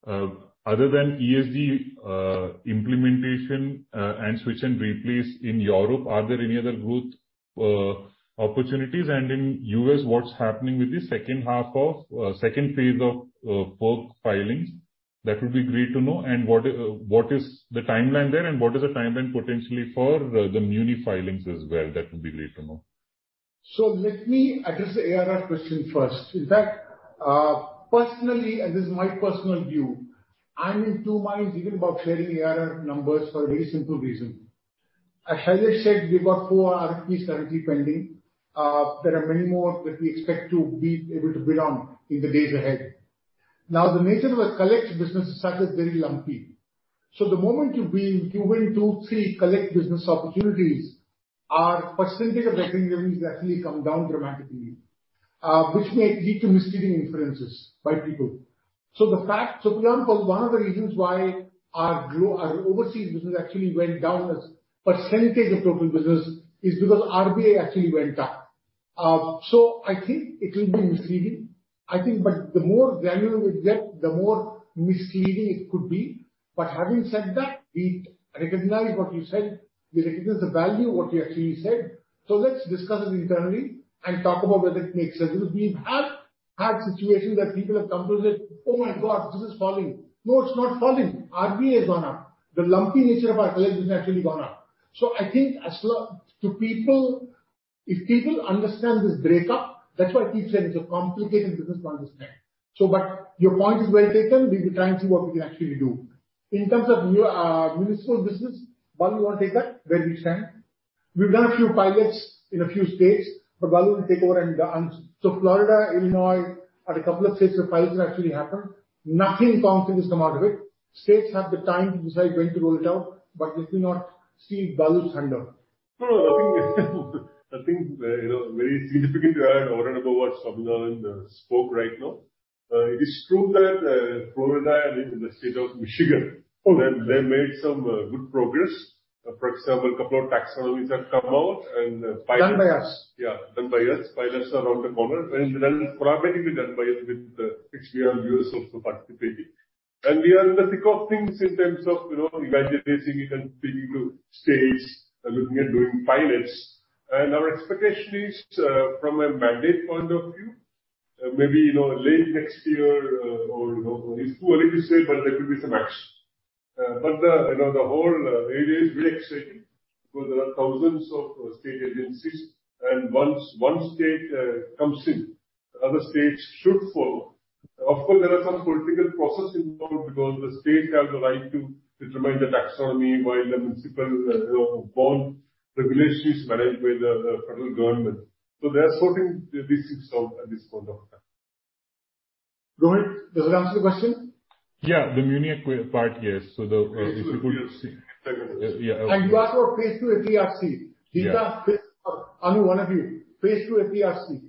other than ESG implementation and switch and replace in Europe, are there any other growth opportunities? In U.S., what's happening with the second half of second phase of FERC filings? That would be great to know. What is the timeline there, and what is the timeline potentially for the muni filings as well? That would be great to know. Let me address the ARR question first. In fact, personally, and this is my personal view, I'm in two minds even about sharing ARR numbers for a very simple reason. As Shailesh said, we've got 4 RFPs currently pending. There are many more that we expect to be able to bid on in the days ahead. The nature of our collect business is such that it's very lumpy. The moment you win, you win two collect business, three collect business opportunities, our percentage of recurring revenues actually come down dramatically, which may lead to misleading inferences by people. For example, one of the reasons why our overseas business actually went down as percentage of total business is because RBI actually went up. I think it will be misleading, I think. The more granular we get, the more misleading it could be. Having said that, we recognize what you said. We recognize the value of what you actually said. Let's discuss it internally and talk about whether it makes sense. Because we have had situations that people have come to us said, "Oh my god, business is falling." No, it's not falling. RBI has gone up. The lumpy nature of our collect business has actually gone up. I think, to people, if people understand this breakup, that's why I keep saying it's a complicated business to understand. Your point is well taken. We will try and see what we can actually do. In terms of municipal business, Balu, you wanna take that, where we stand? We've done a few pilots in a few states, but Balu will take over. Florida, Illinois are a couple of states where pilots have actually happened. Nothing concrete has come out of it. States have the time to decide when to roll it out, but let me not steal Balu's thunder. No, nothing. You know, very significant to add over and above what Subramaniam Swaminathan and Deepta Rangarajan spoke right now. It is true that Florida and in the state of Michigan. Mm-hmm. that they made some good progress. For example, a couple of taxonomies have come out and pilots Done by us. Yeah, done by us. Pilots are around the corner. Then primarily done by us with XBRL U.S. also participating. We are in the thick of things in terms of, you know, evangelizing it and speaking to states and looking at doing pilots. Our expectation is, from a mandate point of view, maybe, you know, late next year, or, you know, it's too early to say, but there could be some action. But, you know, the whole area is very exciting because there are thousands of state agencies, and once one state comes in, the other states should follow. Of course, there are some political processes involved because the states have the right to determine the taxonomy while the municipal bond privileges managed by the federal government. They are sorting these things out at this point of time. Rohith, does that answer your question? Yeah. The, [inaudible] yes. If you could- Yes. Yeah. You asked for phase two FERC. Yeah. Deepta, Anu, one of you. Phase two FERC.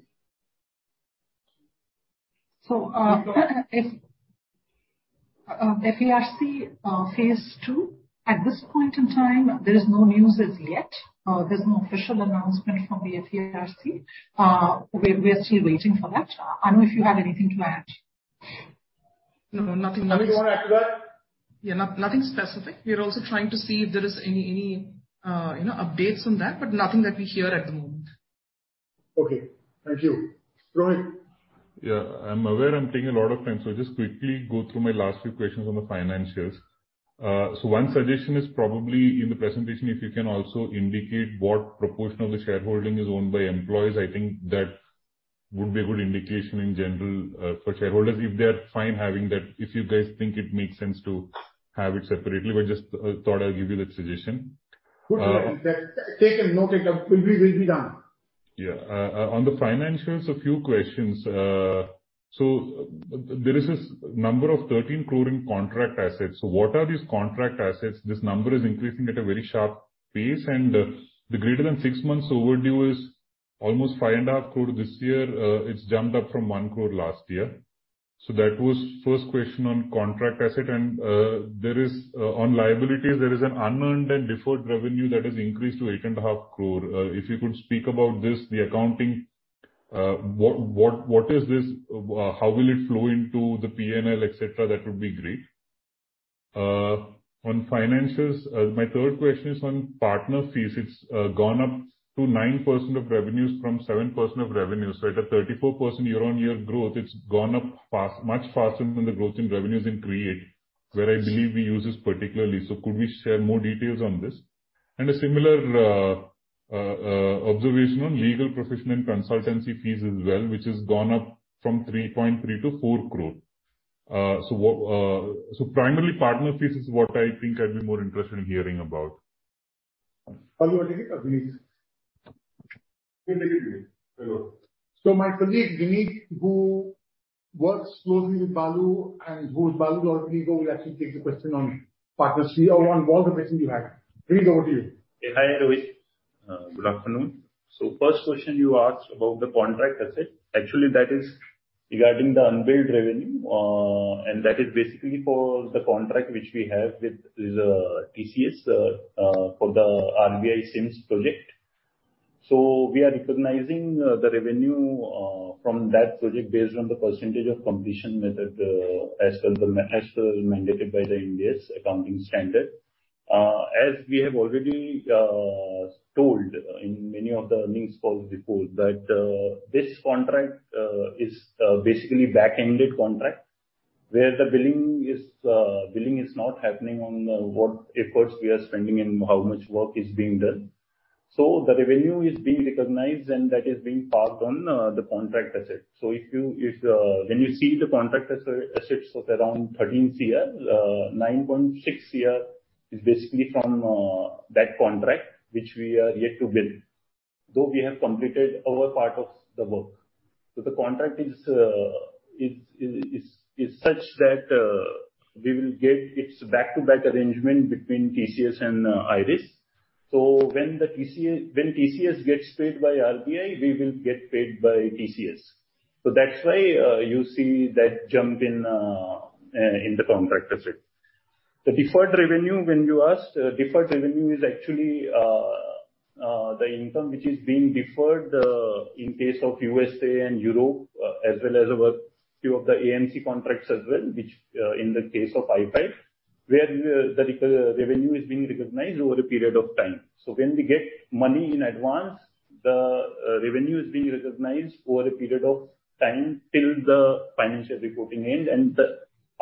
FERC phase two, at this point in time, there is no news as yet. There's no official announcement from the FERC. We're still waiting for that. Anu, if you have anything to add. No, nothing. Anu, do you wanna add to that? Yeah. No, nothing specific. We are also trying to see if there is any, you know, updates on that, but nothing that we hear at the moment. Okay. Thank you. Rohith. Yeah. I'm aware I'm taking a lot of time, so I'll just quickly go through my last few questions on the financials. One suggestion is probably in the presentation, if you can also indicate what proportion of the shareholding is owned by employees, I think that would be a good indication in general, for shareholders, if they're fine having that. If you guys think it makes sense to have it separately. Just, thought I'd give you that suggestion. Good point. That's taken note. It will be done. Yeah. On the financials, a few questions. There is this number of 13 crore in contract assets. What are these contract assets? This number is increasing at a very sharp pace, and the greater than six months overdue is almost 5.5 crore this year. It's jumped up from 1 crore last year. That was first question on contract asset. There is, on liabilities, an unearned and deferred revenue that has increased to 8.5 crore. If you could speak about this, the accounting, what is this? How will it flow into the P&L, etc.? That would be great. On financials, my third question is on partner fees. It's gone up to 9% of revenues from 7% of revenues. At a 34% year-on-year growth, it's gone up fast, much faster than the growth in revenues in Create, where I believe we use this particularly. Could we share more details on this? A similar observation on legal and professional and consultancy fees as well, which has gone up from 3.3 crore to 4 crore. Primarily partner fees is what I think I'd be more interested in hearing about. Balu or Vineet? Vineet. My colleague Vineet, who works closely with Balu and who is Balu's colleague, will actually take the question on partner fee or on all the questions you had. Vineet, over to you. Yeah, hi, Rohith. Good afternoon. First question you asked about the contract asset. Actually, that is regarding the unbilled revenue, and that is basically for the contract which we have with TCS for the RBI CIMS project. We are recognizing the revenue from that project based on the percentage of completion method, as well mandated by the Ind AS accounting standard. As we have already told in many of the earnings calls before that, this contract is basically back-ended contract, where the billing is not happening on what efforts we are spending and how much work is being done. The revenue is being recognized and that is being parked on the contract asset. If you see the contract assets of around 13 crore, 9.6 crore is basically from that contract, which we are yet to bill, though we have completed our part of the work. The contract is such that it's a back-to-back arrangement between TCS and IRIS. When TCS gets paid by RBI, we will get paid by TCS. That's why you see that jump in the contract asset. The deferred revenue, when you ask, deferred revenue is actually the income which is being deferred in case of USA and Europe as well as a few of the AMC contracts as well, which in the case of iPay, where the revenue is being recognized over a period of time. When we get money in advance, the revenue is being recognized over a period of time till the financial reporting end.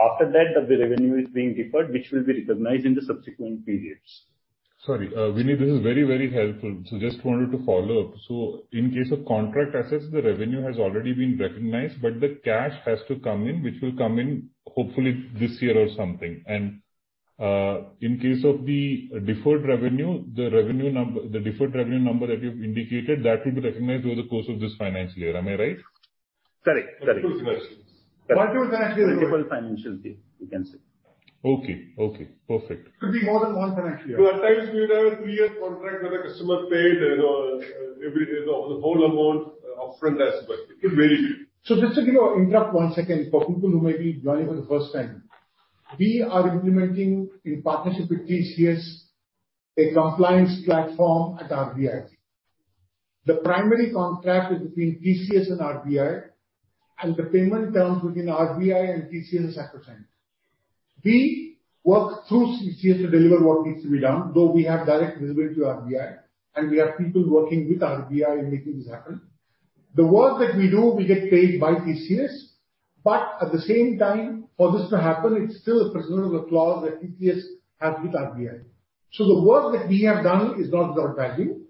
After that, the revenue is being deferred, which will be recognized in the subsequent periods. Sorry, Vineet, this is very, very helpful. Just wanted to follow up. In case of contract assets, the revenue has already been recognized, but the cash has to come in, which will come in hopefully this year or something. In case of the deferred revenue, the deferred revenue number that you've indicated, that will be recognized over the course of this financial year. Am I right? Correct. Correct. Multiple financial years. Multiple financial year, you can say. Okay. Perfect. Could be more than one financial year. At times we would have a three-year contract where the customer paid, you know, the whole amount upfront as well. It could vary. Interrupt one second for people who may be joining for the first time. We are implementing in partnership with TCS a compliance platform at RBI. The primary contract is between TCS and RBI, and the payment terms within RBI and TCS are different. We work through TCS to deliver what needs to be done, though we have direct visibility to RBI and we have people working with RBI in making this happen. The work that we do, we get paid by TCS, but at the same time, for this to happen, it's still a personal clause that TCS has with RBI. The work that we have done is not without value.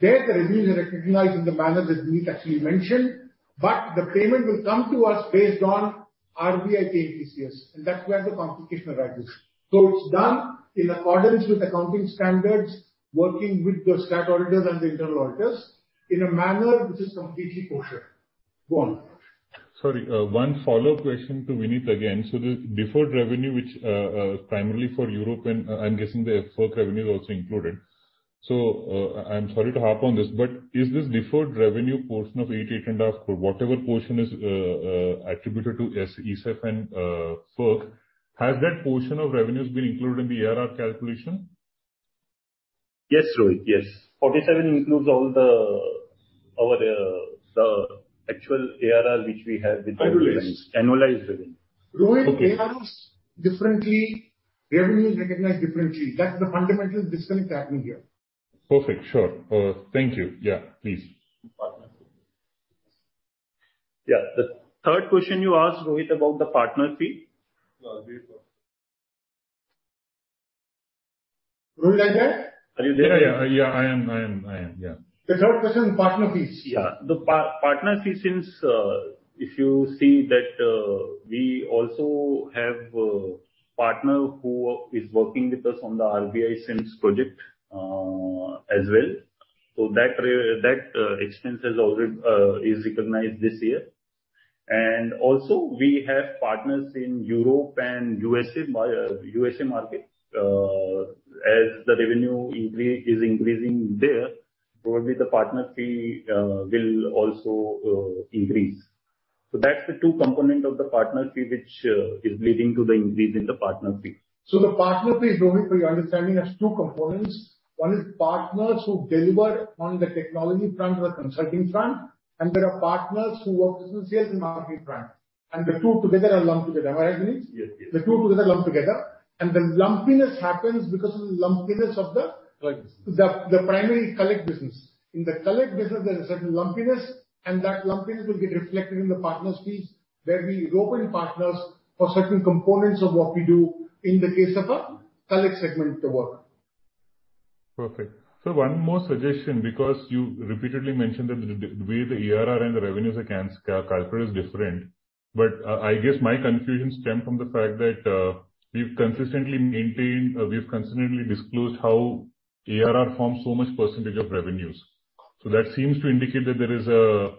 There, the revenues are recognized in the manner that Vineet actually mentioned, but the payment will come to us based on RBI paying TCS, and that's where the complication arises. It's done in accordance with accounting standards, working with the statutory auditors and the internal auditors in a manner which is completely kosher. Go on. Sorry, one follow-up question to Vineet again. The deferred revenue, which primarily for Europe and I'm guessing the FERC revenue is also included. I'm sorry to harp on this, but is this deferred revenue portion of 8.5 crore, whatever portion is attributed to ESEF and FERC, has that portion of revenues been included in the ARR calculation? Yes, Rohith. Yes. 47 includes all the, our, the actual ARR which we have with- Annualized. Annualized revenue. Rohith, ARR is different, revenue is recognized differently. That's the fundamental disconnect happening here. Perfect. Sure. Thank you. Yeah. Please. Yeah. The third question you asked, Rohith, about the partner fee. Yeah. Rohith, are you there? Yeah. I am. Yeah. The third question, partner fees. Yeah. The partner fee since, if you see that, we also have a partner who is working with us on the RBI CIMS project, as well. That expense has already is recognized this year. We have partners in Europe and USA market. As the revenue is increasing there, probably the partner fee will also increase. That's the two component of the partner fee which is leading to the increase in the partner fee. The partner fee, Rohith, for your understanding, has two components. One is partners who deliver on the technology front or the consulting front, and there are partners who work business sales and marketing front. The two together are lumped together. Am I right, Manish? Yes, yes. The two together are lumped together. The lumpiness happens because of the lumpiness of the Collect business. The primary Collect business. In the Collect business, there is a certain lumpiness, and that lumpiness will get reflected in the partners fees where we rope in partners for certain components of what we do in the case of a Collect segment work. Perfect. Sir, one more suggestion, because you repeatedly mentioned that the way the ARR and the revenues are calculated is different. But I guess my confusion stemmed from the fact that we've consistently disclosed how ARR forms so much percentage of revenues. So that seems to indicate that there is a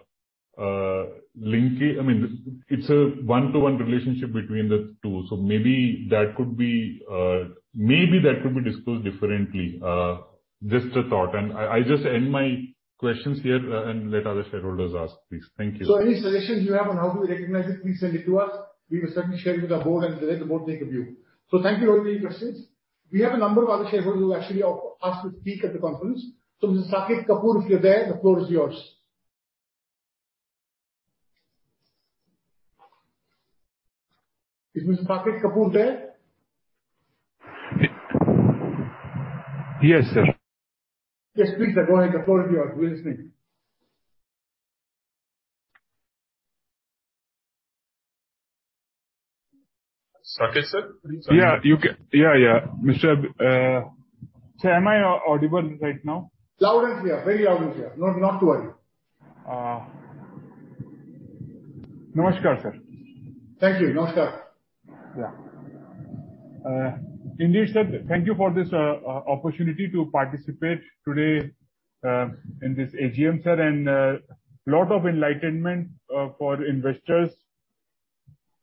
link. I mean, it's a one-to-one relationship between the two. So maybe that could be disclosed differently. Just a thought. I just end my questions here and let other shareholders ask, please. Thank you. Any suggestions you have on how we recognize it, please send it to us. We will certainly share it with our board and let the board take a view. Thank you, Rohith, for your questions. We have a number of other shareholders who actually have asked to speak at the conference. Mr. Saket Kapoor, if you're there, the floor is yours. Is Mr. Saket Kapoor there? Yes, sir. Yes, please, sir. Go ahead. The floor is yours. We're listening. Saket, sir? Please. Yeah, you can. Yeah, yeah. Mr. Sir, am I audible right now? Loud and clear. Very loud and clear. No, not to worry. Namaskar, sir. Thank you. Namaskar. Yeah. Inder sir, thank you for this opportunity to participate today in this AGM, sir. Lot of enlightenment for investors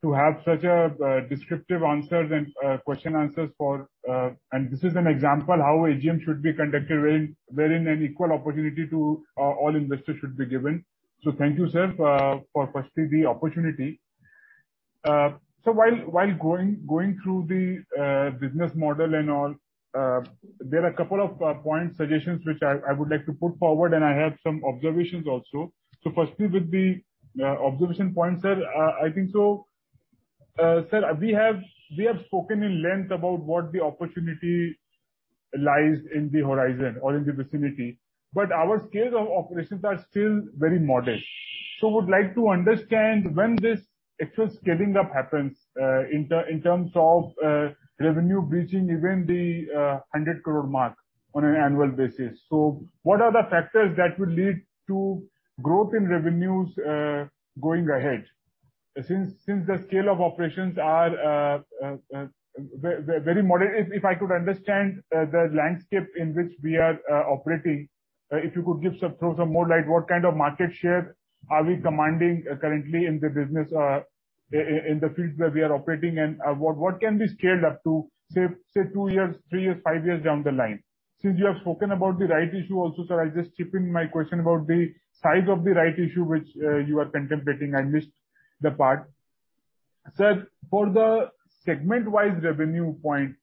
to have such a descriptive answers and question answers. This is an example how AGM should be conducted wherein an equal opportunity to all investors should be given. Thank you, sir, for firstly the opportunity. While going through the business model and all, there are a couple of points, suggestions which I would like to put forward, and I have some observations also. Firstly with the observation points, sir, I think so, sir, we have spoken in length about what the opportunity lies in the horizon or in the vicinity, but our scale of operations are still very modest. Would like to understand when this actual scaling up happens, in terms of revenue reaching even the 100 crore mark on an annual basis. What are the factors that will lead to growth in revenues going ahead? Since the scale of operations are very moderate. If I could understand the landscape in which we are operating, if you could give some, throw some more light, what kind of market share are we commanding currently in the business, in the fields where we are operating, and what can be scaled up to, say, two years, three years, five years down the line? Since you have spoken about the rights issue also, sir, I'll just chip in my question about the size of the rights issue which you are contemplating. I missed that part. Sir, for the segment-wise revenue point,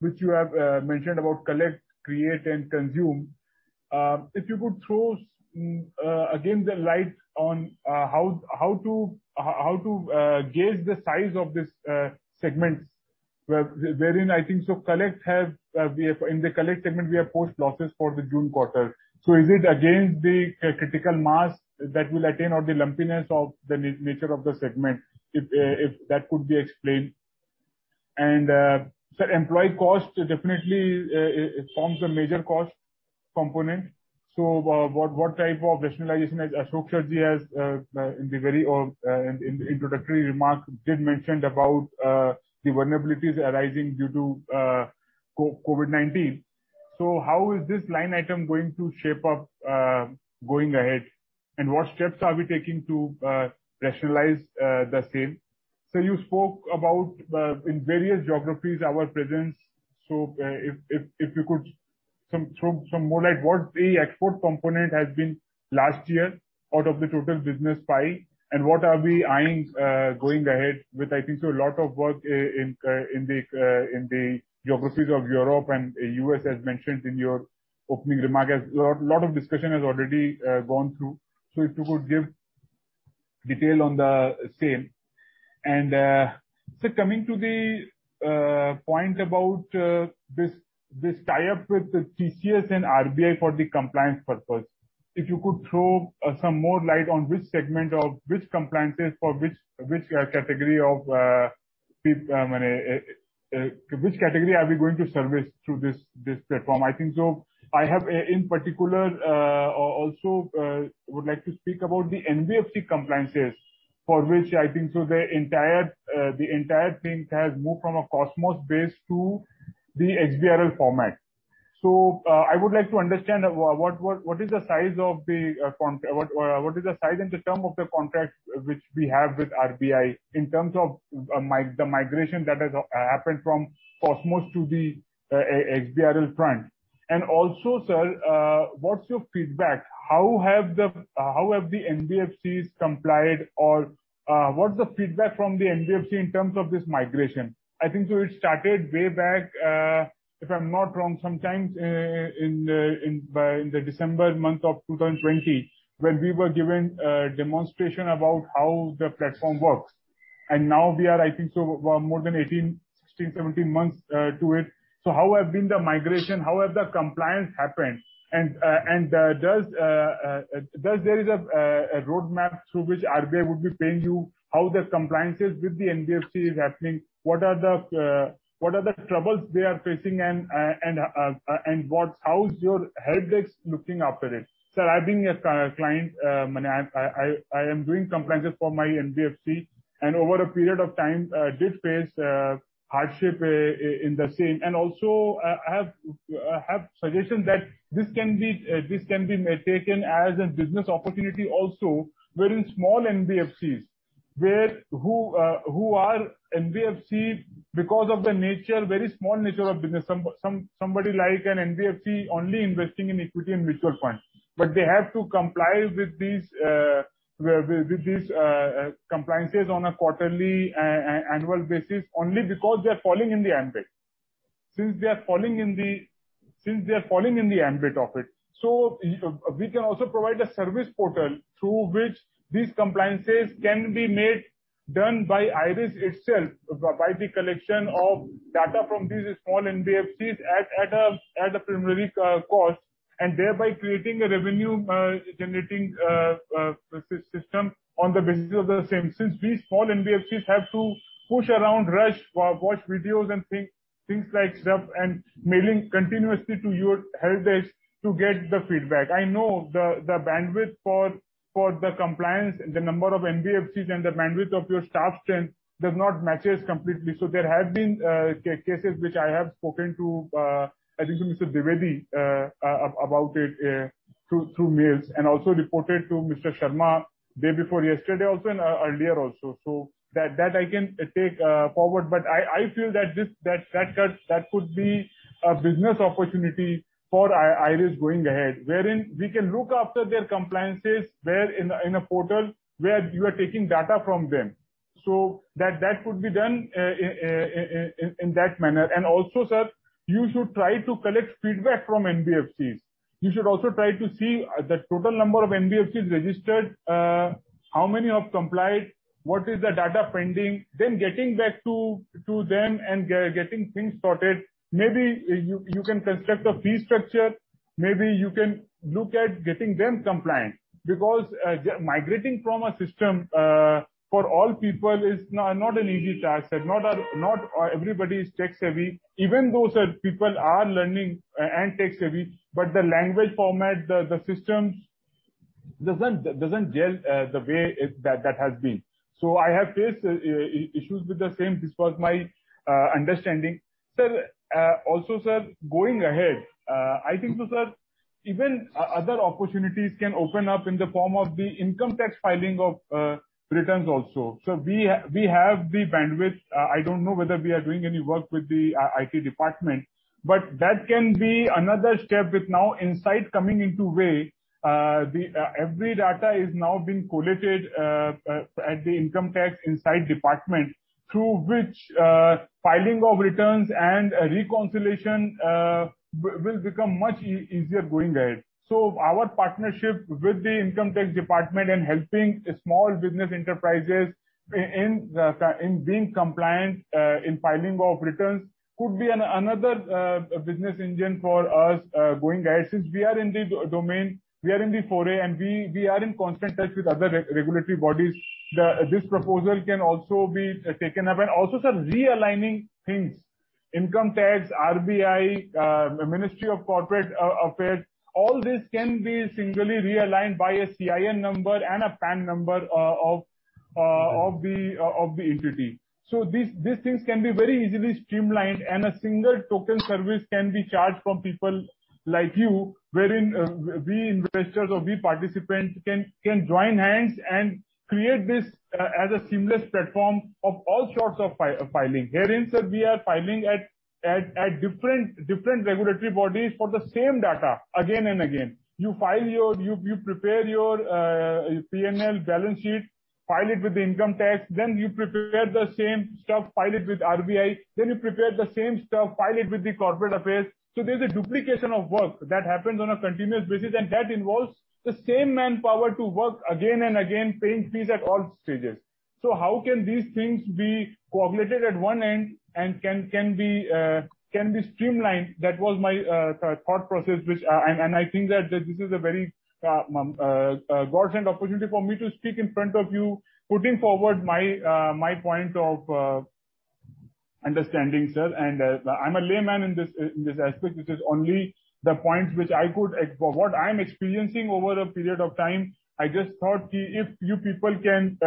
which you have mentioned about Collect, Create, and Consume, if you could throw light on how to gauge the size of these segments wherein I think Collect has we have. In the Collect segment, we have posted losses for the June quarter. Is it against the critical mass that will be attained or the lumpiness of the nature of the segment, if that could be explained? Sir, employee cost definitely it forms a major cost component. What type of rationalization as Ashok Venkatramani has in the very early in introductory remarks did mention about the vulnerabilities arising due to COVID-19. How is this line item going to shape up going ahead? What steps are we taking to rationalize the same? Sir, you spoke about our presence in various geographies. If you could throw some more light, what the export component has been last year out of the total business pie, and what are we eyeing going ahead with, I think so, a lot of work in the geographies of Europe and U.S., as mentioned in your opening remarks. A lot of discussion has already gone through. If you could give detail on the same. Sir, coming to the point about this tie-up with the TCS and RBI for the compliance purpose, if you could throw some more light on which segment of which compliances for which category are we going to service through this platform? I think so. I have in particular also would like to speak about the NBFC compliances for which I think so the entire thing has moved from a COSMOS base to the XBRL format. I would like to understand what is the size and the term of the contract which we have with RBI in terms of the migration that has happened from COSMOS to the XBRL front? Sir, what's your feedback? How have the NBFCs complied or, what's the feedback from the NBFC in terms of this migration? I think we started way back, if I'm not wrong, sometime in the December month of 2020, when we were given a demonstration about how the platform works. Now we are, I think so, more than 18 months, 16 months, 17 months to it. How have been the migration? How have the compliance happened? Does there is a roadmap through which RBI would be paying you, how the compliances with the NBFC is happening, what are the troubles they are facing and how's your helpdesk looking after it? Sir, I've been a client. I am doing compliances for my NBFC, and over a period of time did face hardship in the same. Also I have suggestions that this can be taken as a business opportunity also, wherein small NBFCs who are NBFC because of the nature, very small nature of business. Somebody like an NBFC only investing in equity and mutual funds. But they have to comply with these compliances on a quarterly annual basis only because they are falling in the ambit. Since they are falling in the ambit of it. We can also provide a service portal through which these compliances can be made done by IRIS itself, by the collection of data from these small NBFCs at a primary cost, and thereby creating a revenue generating system on the basis of the same. Since these small NBFCs have to push around, rush, watch videos and things like that, and mailing continuously to your helpdesk to get the feedback. I know the bandwidth for the compliance, the number of NBFCs and the bandwidth of your staff strength does not matches completely. There have been cases which I have spoken to, I think to Mr. Dwivedi, about it, through mails and also reported to Mr. Sharma day before yesterday also and earlier also. That I can take forward. I feel that this could be a business opportunity for IRIS going ahead. Wherein we can look after their compliances in a portal where you are taking data from them. That could be done in that manner. Also, sir, you should try to collect feedback from NBFCs. You should also try to see the total number of NBFCs registered, how many have complied, what is the data pending, then getting back to them and getting things sorted. Maybe you can construct a fee structure. Maybe you can look at getting them compliant. Because migrating from a system for all people is not an easy task. Not everybody is tech-savvy. Even those people are learning and tech-savvy, but the language format, the systems doesn't gel the way it has been. I have faced issues with the same. This was my understanding. Sir, also, sir, going ahead, I think so, sir, even other opportunities can open up in the form of the income tax filing of returns also. We have the bandwidth. I don't know whether we are doing any work with the IT department, but that can be another step with now insights coming into play. Every data is now being collated at the Income Tax department, through which filing of returns and reconciliation will become much easier going ahead. Our partnership with the income tax department and helping small business enterprises in being compliant in filing of returns could be another business engine for us going ahead. Since we are in the domain, we are in the fray, and we are in constant touch with other regulatory bodies. This proposal can also be taken up. Also, sir, realigning things, income tax, RBI, Ministry of Corporate Affairs, all this can be singly realigned by a CIN number and a PAN number of the entity. These things can be very easily streamlined and a single token service can be charged from people like you, wherein we investors or we participants can join hands and create this as a seamless platform of all sorts of filing. Herein, sir, we are filing at different regulatory bodies for the same data again and again. You prepare your P&L balance sheet, file it with the Income Tax, then you prepare the same stuff, file it with RBI, then you prepare the same stuff, file it with the corporate affairs. There's a duplication of work that happens on a continuous basis, and that involves the same manpower to work again and again, paying fees at all stages. How can these things be consolidated at one end and can be streamlined? That was my thought process, which I think that this is a very godsend opportunity for me to speak in front of you, putting forward my point of understanding, sir. I'm a layman in this aspect. This is only the points which I could what I'm experiencing over a period of time. I just thought if you people can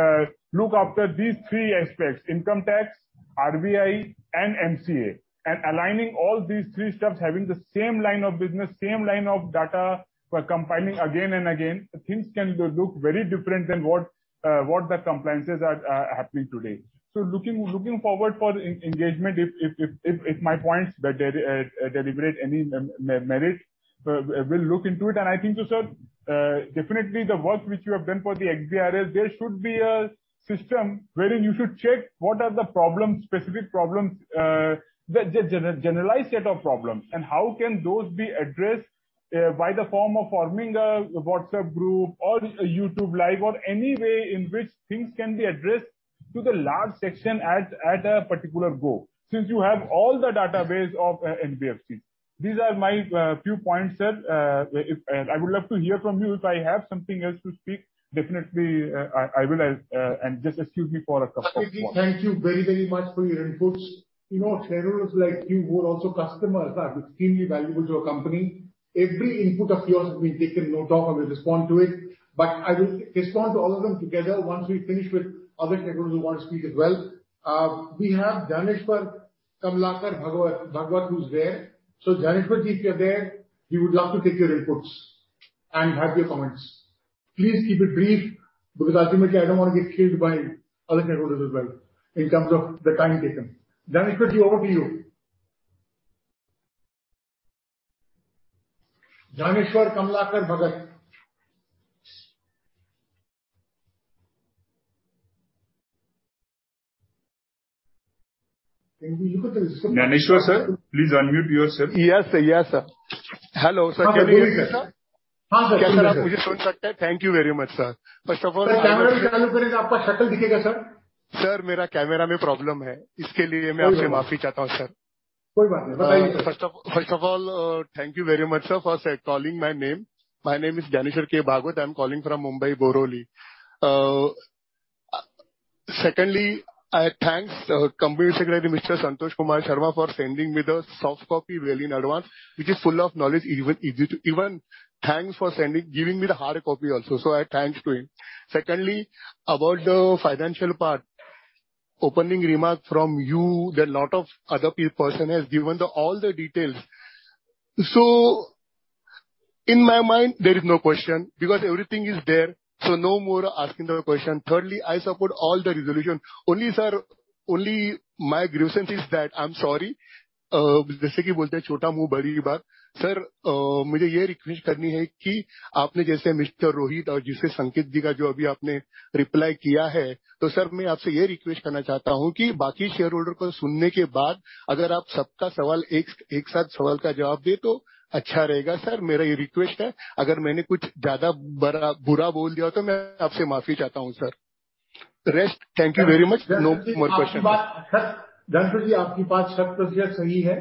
look after these three aspects, income tax, RBI and MCA, and aligning all these three steps, having the same line of business, same line of data we're compiling again and again, things can go look very different than what the compliances are happening today. Looking forward for engagement if my points that deliberate any merit, we'll look into it. I think so, sir, definitely the work which you have done for the XBRL, there should be a system wherein you should check what are the problems, specific problems, the generalized set of problems, and how can those be addressed, by the form of forming a WhatsApp group or a YouTube live or any way in which things can be addressed to the large section at a particular go, since you have all the database of NBFC. These are my few points, sir. I would love to hear from you. If I have something else to speak, definitely, I will, and just excuse me for a couple of points. Saketji, thank you very, very much for your inputs. You know, shareholders like you who are also customers are extremely valuable to a company. Every input of yours will be taken note of and we'll respond to it. I will respond to all of them together once we finish with other shareholders who want to speak as well. We have Gyaneshwar Kamlakar Bhagwat who's there. Gyaneshwarji, if you're there, we would love to take your inputs and have your comments. Please keep it brief, because ultimately I don't want to get killed by other shareholders as well in terms of the time given. Gyaneshwarji, over to you. Gyaneshwar Kamlakar Bhagwat. Can you look at the system? Gyaneshwar, sir, please unmute yourself. Yes, sir. Yes, sir. Hello, sir. Can you hear me, sir? Yes, sir. Can you hear me, sir? Thank you very much, sir. First of all. Sir, camera chalu karein to aapka shakl dikhega, sir. Sir, mera camera mein problem hai. Iske liye main aapse maafi chahta hoon, sir. Koi baat nahi, bataiye. First of all, thank you very much, sir, for calling my name. My name is Gyaneshwar K. Bhagwat. I'm calling from Mumbai, Borivali. Secondly, I thanks, company secretary, Mr. Santosh Kumar Sharma, for sending me the soft copy well in advance, which is full of knowledge, even thanks for sending, giving me the hard copy also, so I thanks to him. Secondly, about the financial part, opening remark from you that lot of other person has given the all the details. So in my mind there is no question because everything is there, so no more asking the question. Thirdly, I support all the resolution. Only, sir, only my grievance is that I'm sorry, jaisa ki bolte hai chota muh badi baat. Sir, mujhe yeh request karni hai ki aapne jaise Mr. Rohith aur jise Saket ji ka jo abhi aapne reply kiya hai, toh sir main aapse yeh request karna chahta hoon ki baaki shareholder ko sunne ke baad agar aap sabka sawal ek saath sawal ka jawab de toh achha rahega, sir. Mera yeh request hai. Agar maine kuch zyada bada, bura bol diya toh main aapse maafi chahta hoon, sir. Rest thank you very much. No more question. Gyaneshwarji, aapki baat sab procedure sahi hai.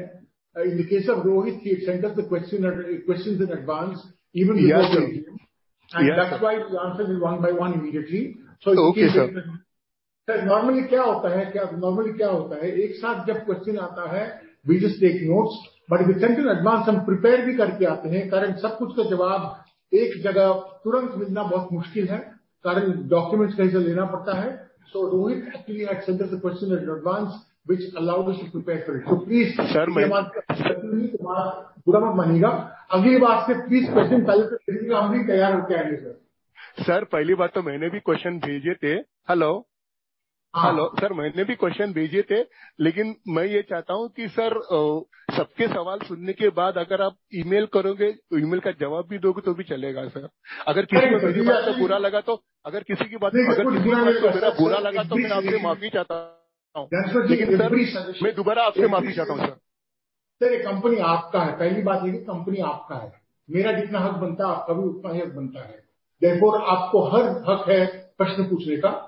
In the case of Rohith, he had sent us the questions in advance even before- Yes, sir. the meeting. Yes, sir. That's why he answers it one by one immediately. It is- Okay, sir. Sir, normally kya hota hai, ek saath jab question aata hai, we just take notes. If you send in advance, hum prepare bhi karke aate hai. Kyonki sab kuch ka jawab ek jagah turant milna bahot mushkil hai. Kyonki documents kahin se lena padta hai. Rohith actually had sent us the question in advance, which allowed us to prepare for it. Please- Sir, main- Maaf kar dijiyega. Aapki koi baat bura main manega. Agli baar se please question pehle se bhejiye ki hum bhi tayyar hoke aaye, sir. Sir, pehli baat toh maine bhi question bheje the. Hello? Haan. Hello. Sir, maine bhi question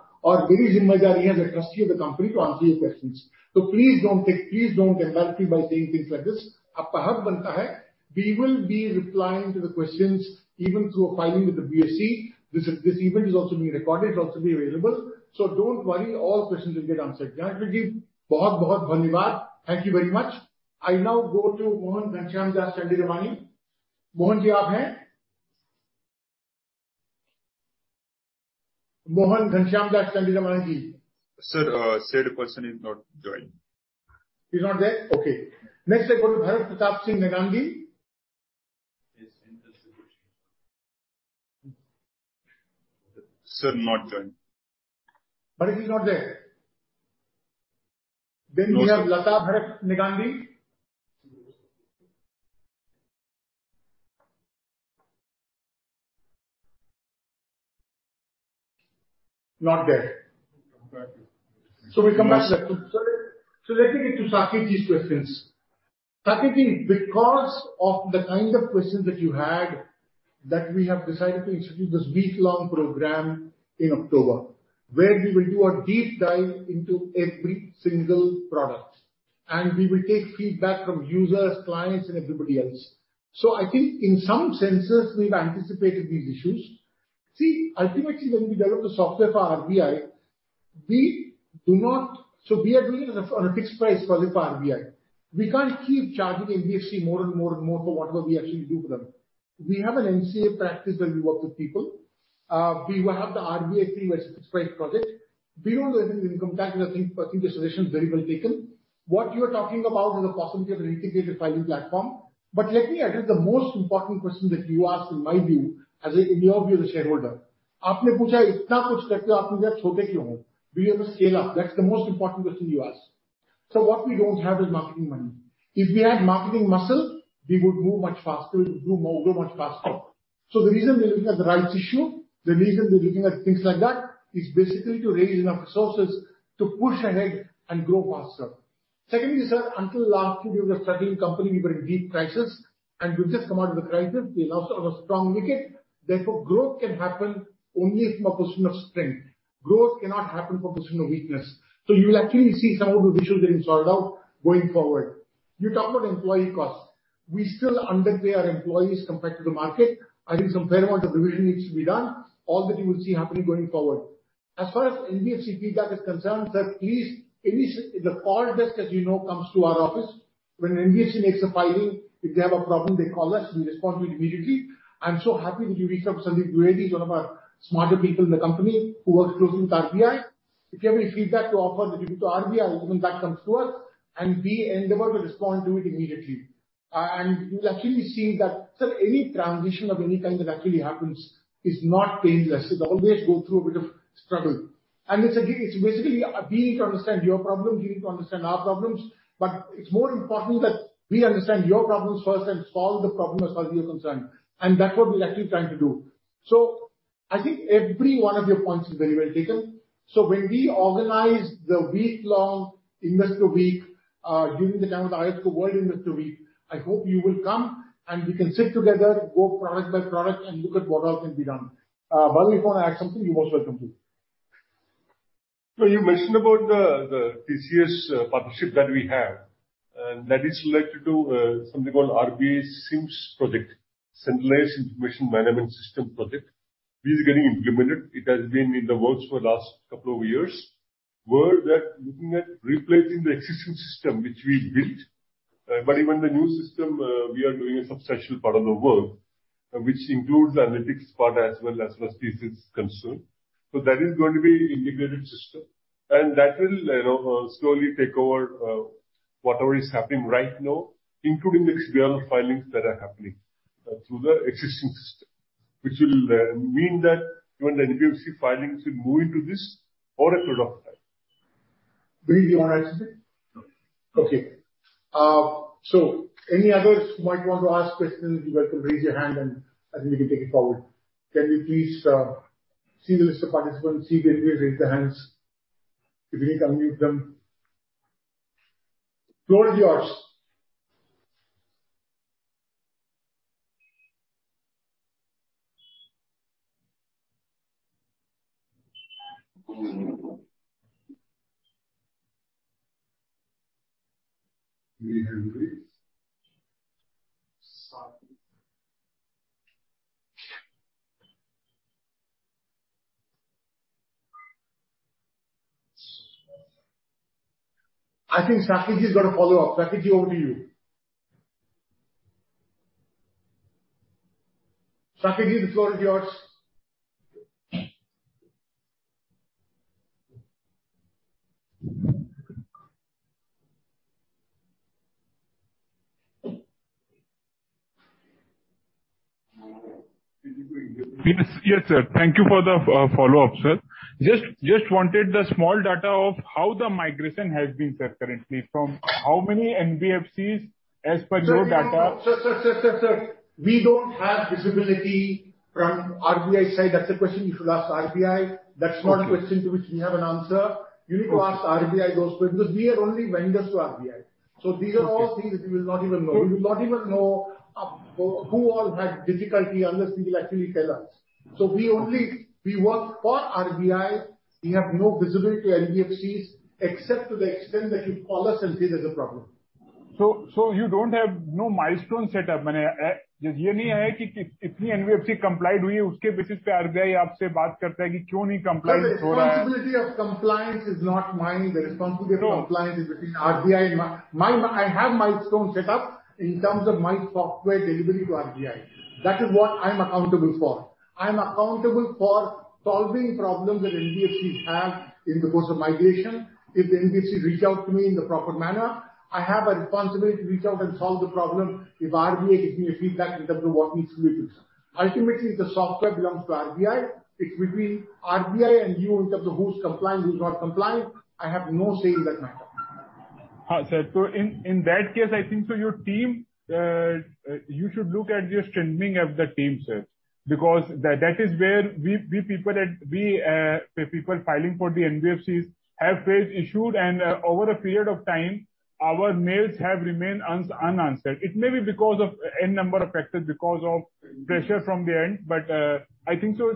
aap hain? Mohan Ghanshyamdas Chandiramaniji. Sir, said person is not joined. He's not there? Okay. Next, I go to Bharat Pratap Singh Negi. Sir, not joined. Bharat is not there. We have Lata Bharat Negi. Not there. We come back to. Let me get to Saketji's questions. Saketji, because of the kind of questions that you had, that we have decided to institute this week-long program in October, where we will do a deep dive into every single product, and we will take feedback from users, clients and everybody else. I think in some senses, we've anticipated these issues. See, ultimately, when we develop the software for RBI, we do not. We are doing it on a fixed price for the RBI. We can't keep charging NBFC more and more for whatever we actually do for them. We have an NCA practice where we work with people. We will have the RBAC specified project. We will be in contact with you. I think your suggestion is very well taken. What you are talking about is the possibility of an integrated filing platform. Let me address the most important question that you asked, in your view, as a shareholder. We have a scale-up. That's the most important question you asked. What we don't have is marketing money. If we had marketing muscle, we would move much faster. We would grow more, grow much faster. The reason we're looking at the rights issue, the reason we're looking at things like that, is basically to raise enough resources to push ahead and grow faster. Secondly, sir, until last year we were a struggling company. We were in deep crisis and we've just come out of the crisis. We are now on a strong wicket. Therefore, growth can happen only from a position of strength. Growth cannot happen from a position of weakness. You will actually see some of the issues getting sorted out going forward. You talked about employee costs. We still underpay our employees compared to the market. I think some fair amount of revision needs to be done. All that you will see happening going forward. As far as NBFC feedback is concerned, the call desk, as you know, comes to our office. When an NBFC makes a filing, if they have a problem, they call us, we respond to it immediately. I'm so happy that you reached out. Sandeep Dwivedi is one of our smarter people in the company who works closely with RBI. If you have any feedback to offer directly to RBI, ultimately that comes to us, and we endeavor to respond to it immediately. You'll actually see that, sir, any transition of any kind that actually happens is not painless. It always go through a bit of struggle. It's basically we need to understand your problem, you need to understand our problems. But it's more important that we understand your problems first and solve the problem or solve your concern, and that's what we're actually trying to do. I think every one of your points is very well taken. When we organize the week-long investor week, during the time of the IOSCO World Investor Week, I hope you will come and we can sit together, go product by product, and look at what all can be done. Balveer, if you wanna add something, you're most welcome to. You mentioned about the TCS partnership that we have that is related to something called CIMS project, Centralized Information and Management System project. This is getting implemented. It has been in the works for the last couple of years. We're looking at replacing the existing system which we built. Even the new system, we are doing a substantial part of the work, which includes analytics part as well as far as TCS is concerned. That is going to be integrated system and that will slowly take over whatever is happening right now, including the XBRL filings that are happening through the existing system. Which will mean that even the NBFC filings will move into this over a period of time. Balu, do you wanna add something? No. Okay. Any others who might want to ask questions, you're welcome to raise your hand and we can take it forward. Can you please see the list of participants, see where they raise their hands. If you need to unmute them. The floor is yours. I think Saket is gonna follow up. Saket, over to you. Saket, the floor is yours. Can you please repeat? Yes, sir. Thank you for the follow-up, sir. Just wanted some data of how the migration has been, sir, currently from how many NBFCs as per your data. Sir, no. Sir. We don't have visibility from RBI side. That's a question you should ask RBI. Okay. That's not a question to which we have an answer. Okay. You need to ask RBI those questions because we are only vendors to RBI. Okay. These are all things that we will not even know. Okay. We will not even know who all had difficulty unless they will actually tell us. Okay. We work for RBI. We have no visibility to NBFCs except to the extent that you call us and say there's a problem. You don't have no milestone set up. Sir, the responsibility of compliance is not mine. No. The onus of compliance is between RBI and me. I have milestone set up in terms of my software delivery to RBI. That is what I'm accountable for. I'm accountable for solving problems that NBFCs have in the course of migration. If the NBFCs reach out to me in the proper manner, I have a responsibility to reach out and solve the problem, if RBI gives me a feedback in terms of what needs to be fixed. Ultimately, the software belongs to RBI. It's between RBI and you in terms of who's compliant, who's not compliant. I have no say in that matter. Sir, in that case, I think your team you should look at the strengthening of the team, sir. Because that is where we people filing for the NBFCs have faced issues and over a period of time our mails have remained unanswered. It may be because of n number of factors because of pressure from the end. I think the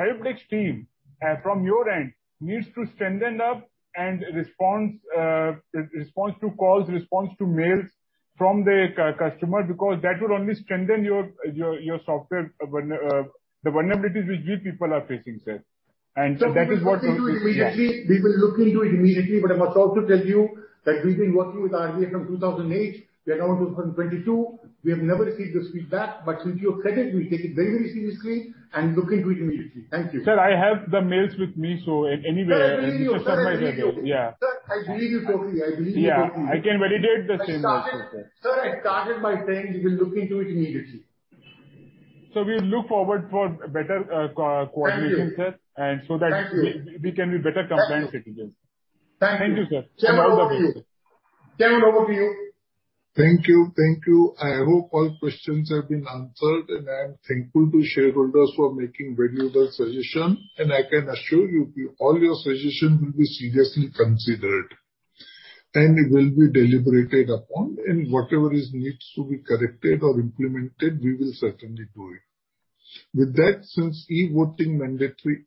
helpdesk team from your end needs to strengthen up and response to calls, response to mails from the customer because that would only strengthen your software, the vulnerabilities which we people are facing, sir. That is what We will look into it immediately. I must also tell you that we've been working with RBI from 2008. We are now in 2022. We have never received this feedback, but to your credit, we take it very, very seriously and look into it immediately. Thank you. Sir, I have the emails with me, so anyway. Sir, I believe you totally. Yeah. Sir, I believe you totally. Yeah. I can validate the same also, sir. Sir, I started by saying we will look into it immediately. We look forward for better coordination, sir. Thank you. And so that- Thank you. We can be better compliance citizens. Thank you. Thank you, sir. Chairman, over to you. Thank you. Thank you. I hope all questions have been answered, and I am thankful to shareholders for making valuable suggestion. I can assure you all your suggestion will be seriously considered and it will be deliberated upon. Whatever needs to be corrected or implemented, we will certainly do it. With that, since e-voting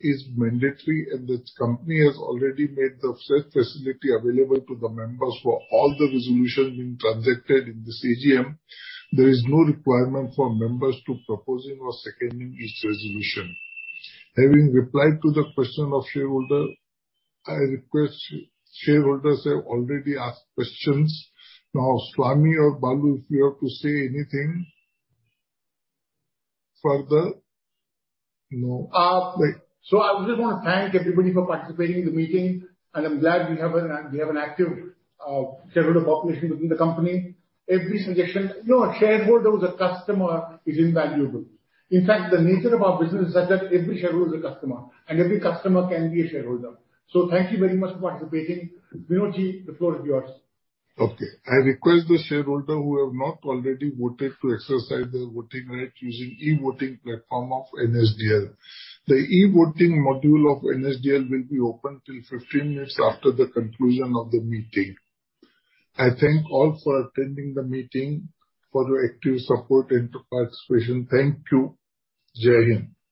is mandatory and this company has already made the said facility available to the members for all the resolutions being transacted in this AGM, there is no requirement for members to propose or seconding each resolution. Having replied to the question of shareholder, I request shareholders have already asked questions. Now, Swami or Balu, if you have to say anything further. No? I just want to thank everybody for participating in the meeting, and I'm glad we have an active shareholder population within the company. Every suggestion. You know, a shareholder who's a customer is invaluable. In fact, the nature of our business is such that every shareholder is a customer, and every customer can be a shareholder. Thank you very much for participating. Vinodji, the floor is yours. Okay. I request the shareholder who have not already voted to exercise their voting rights using e-voting platform of NSDL. The e-voting module of NSDL will be open till 15 minutes after the conclusion of the meeting. I thank all for attending the meeting, for your active support and participation. Thank you. Jai Hind.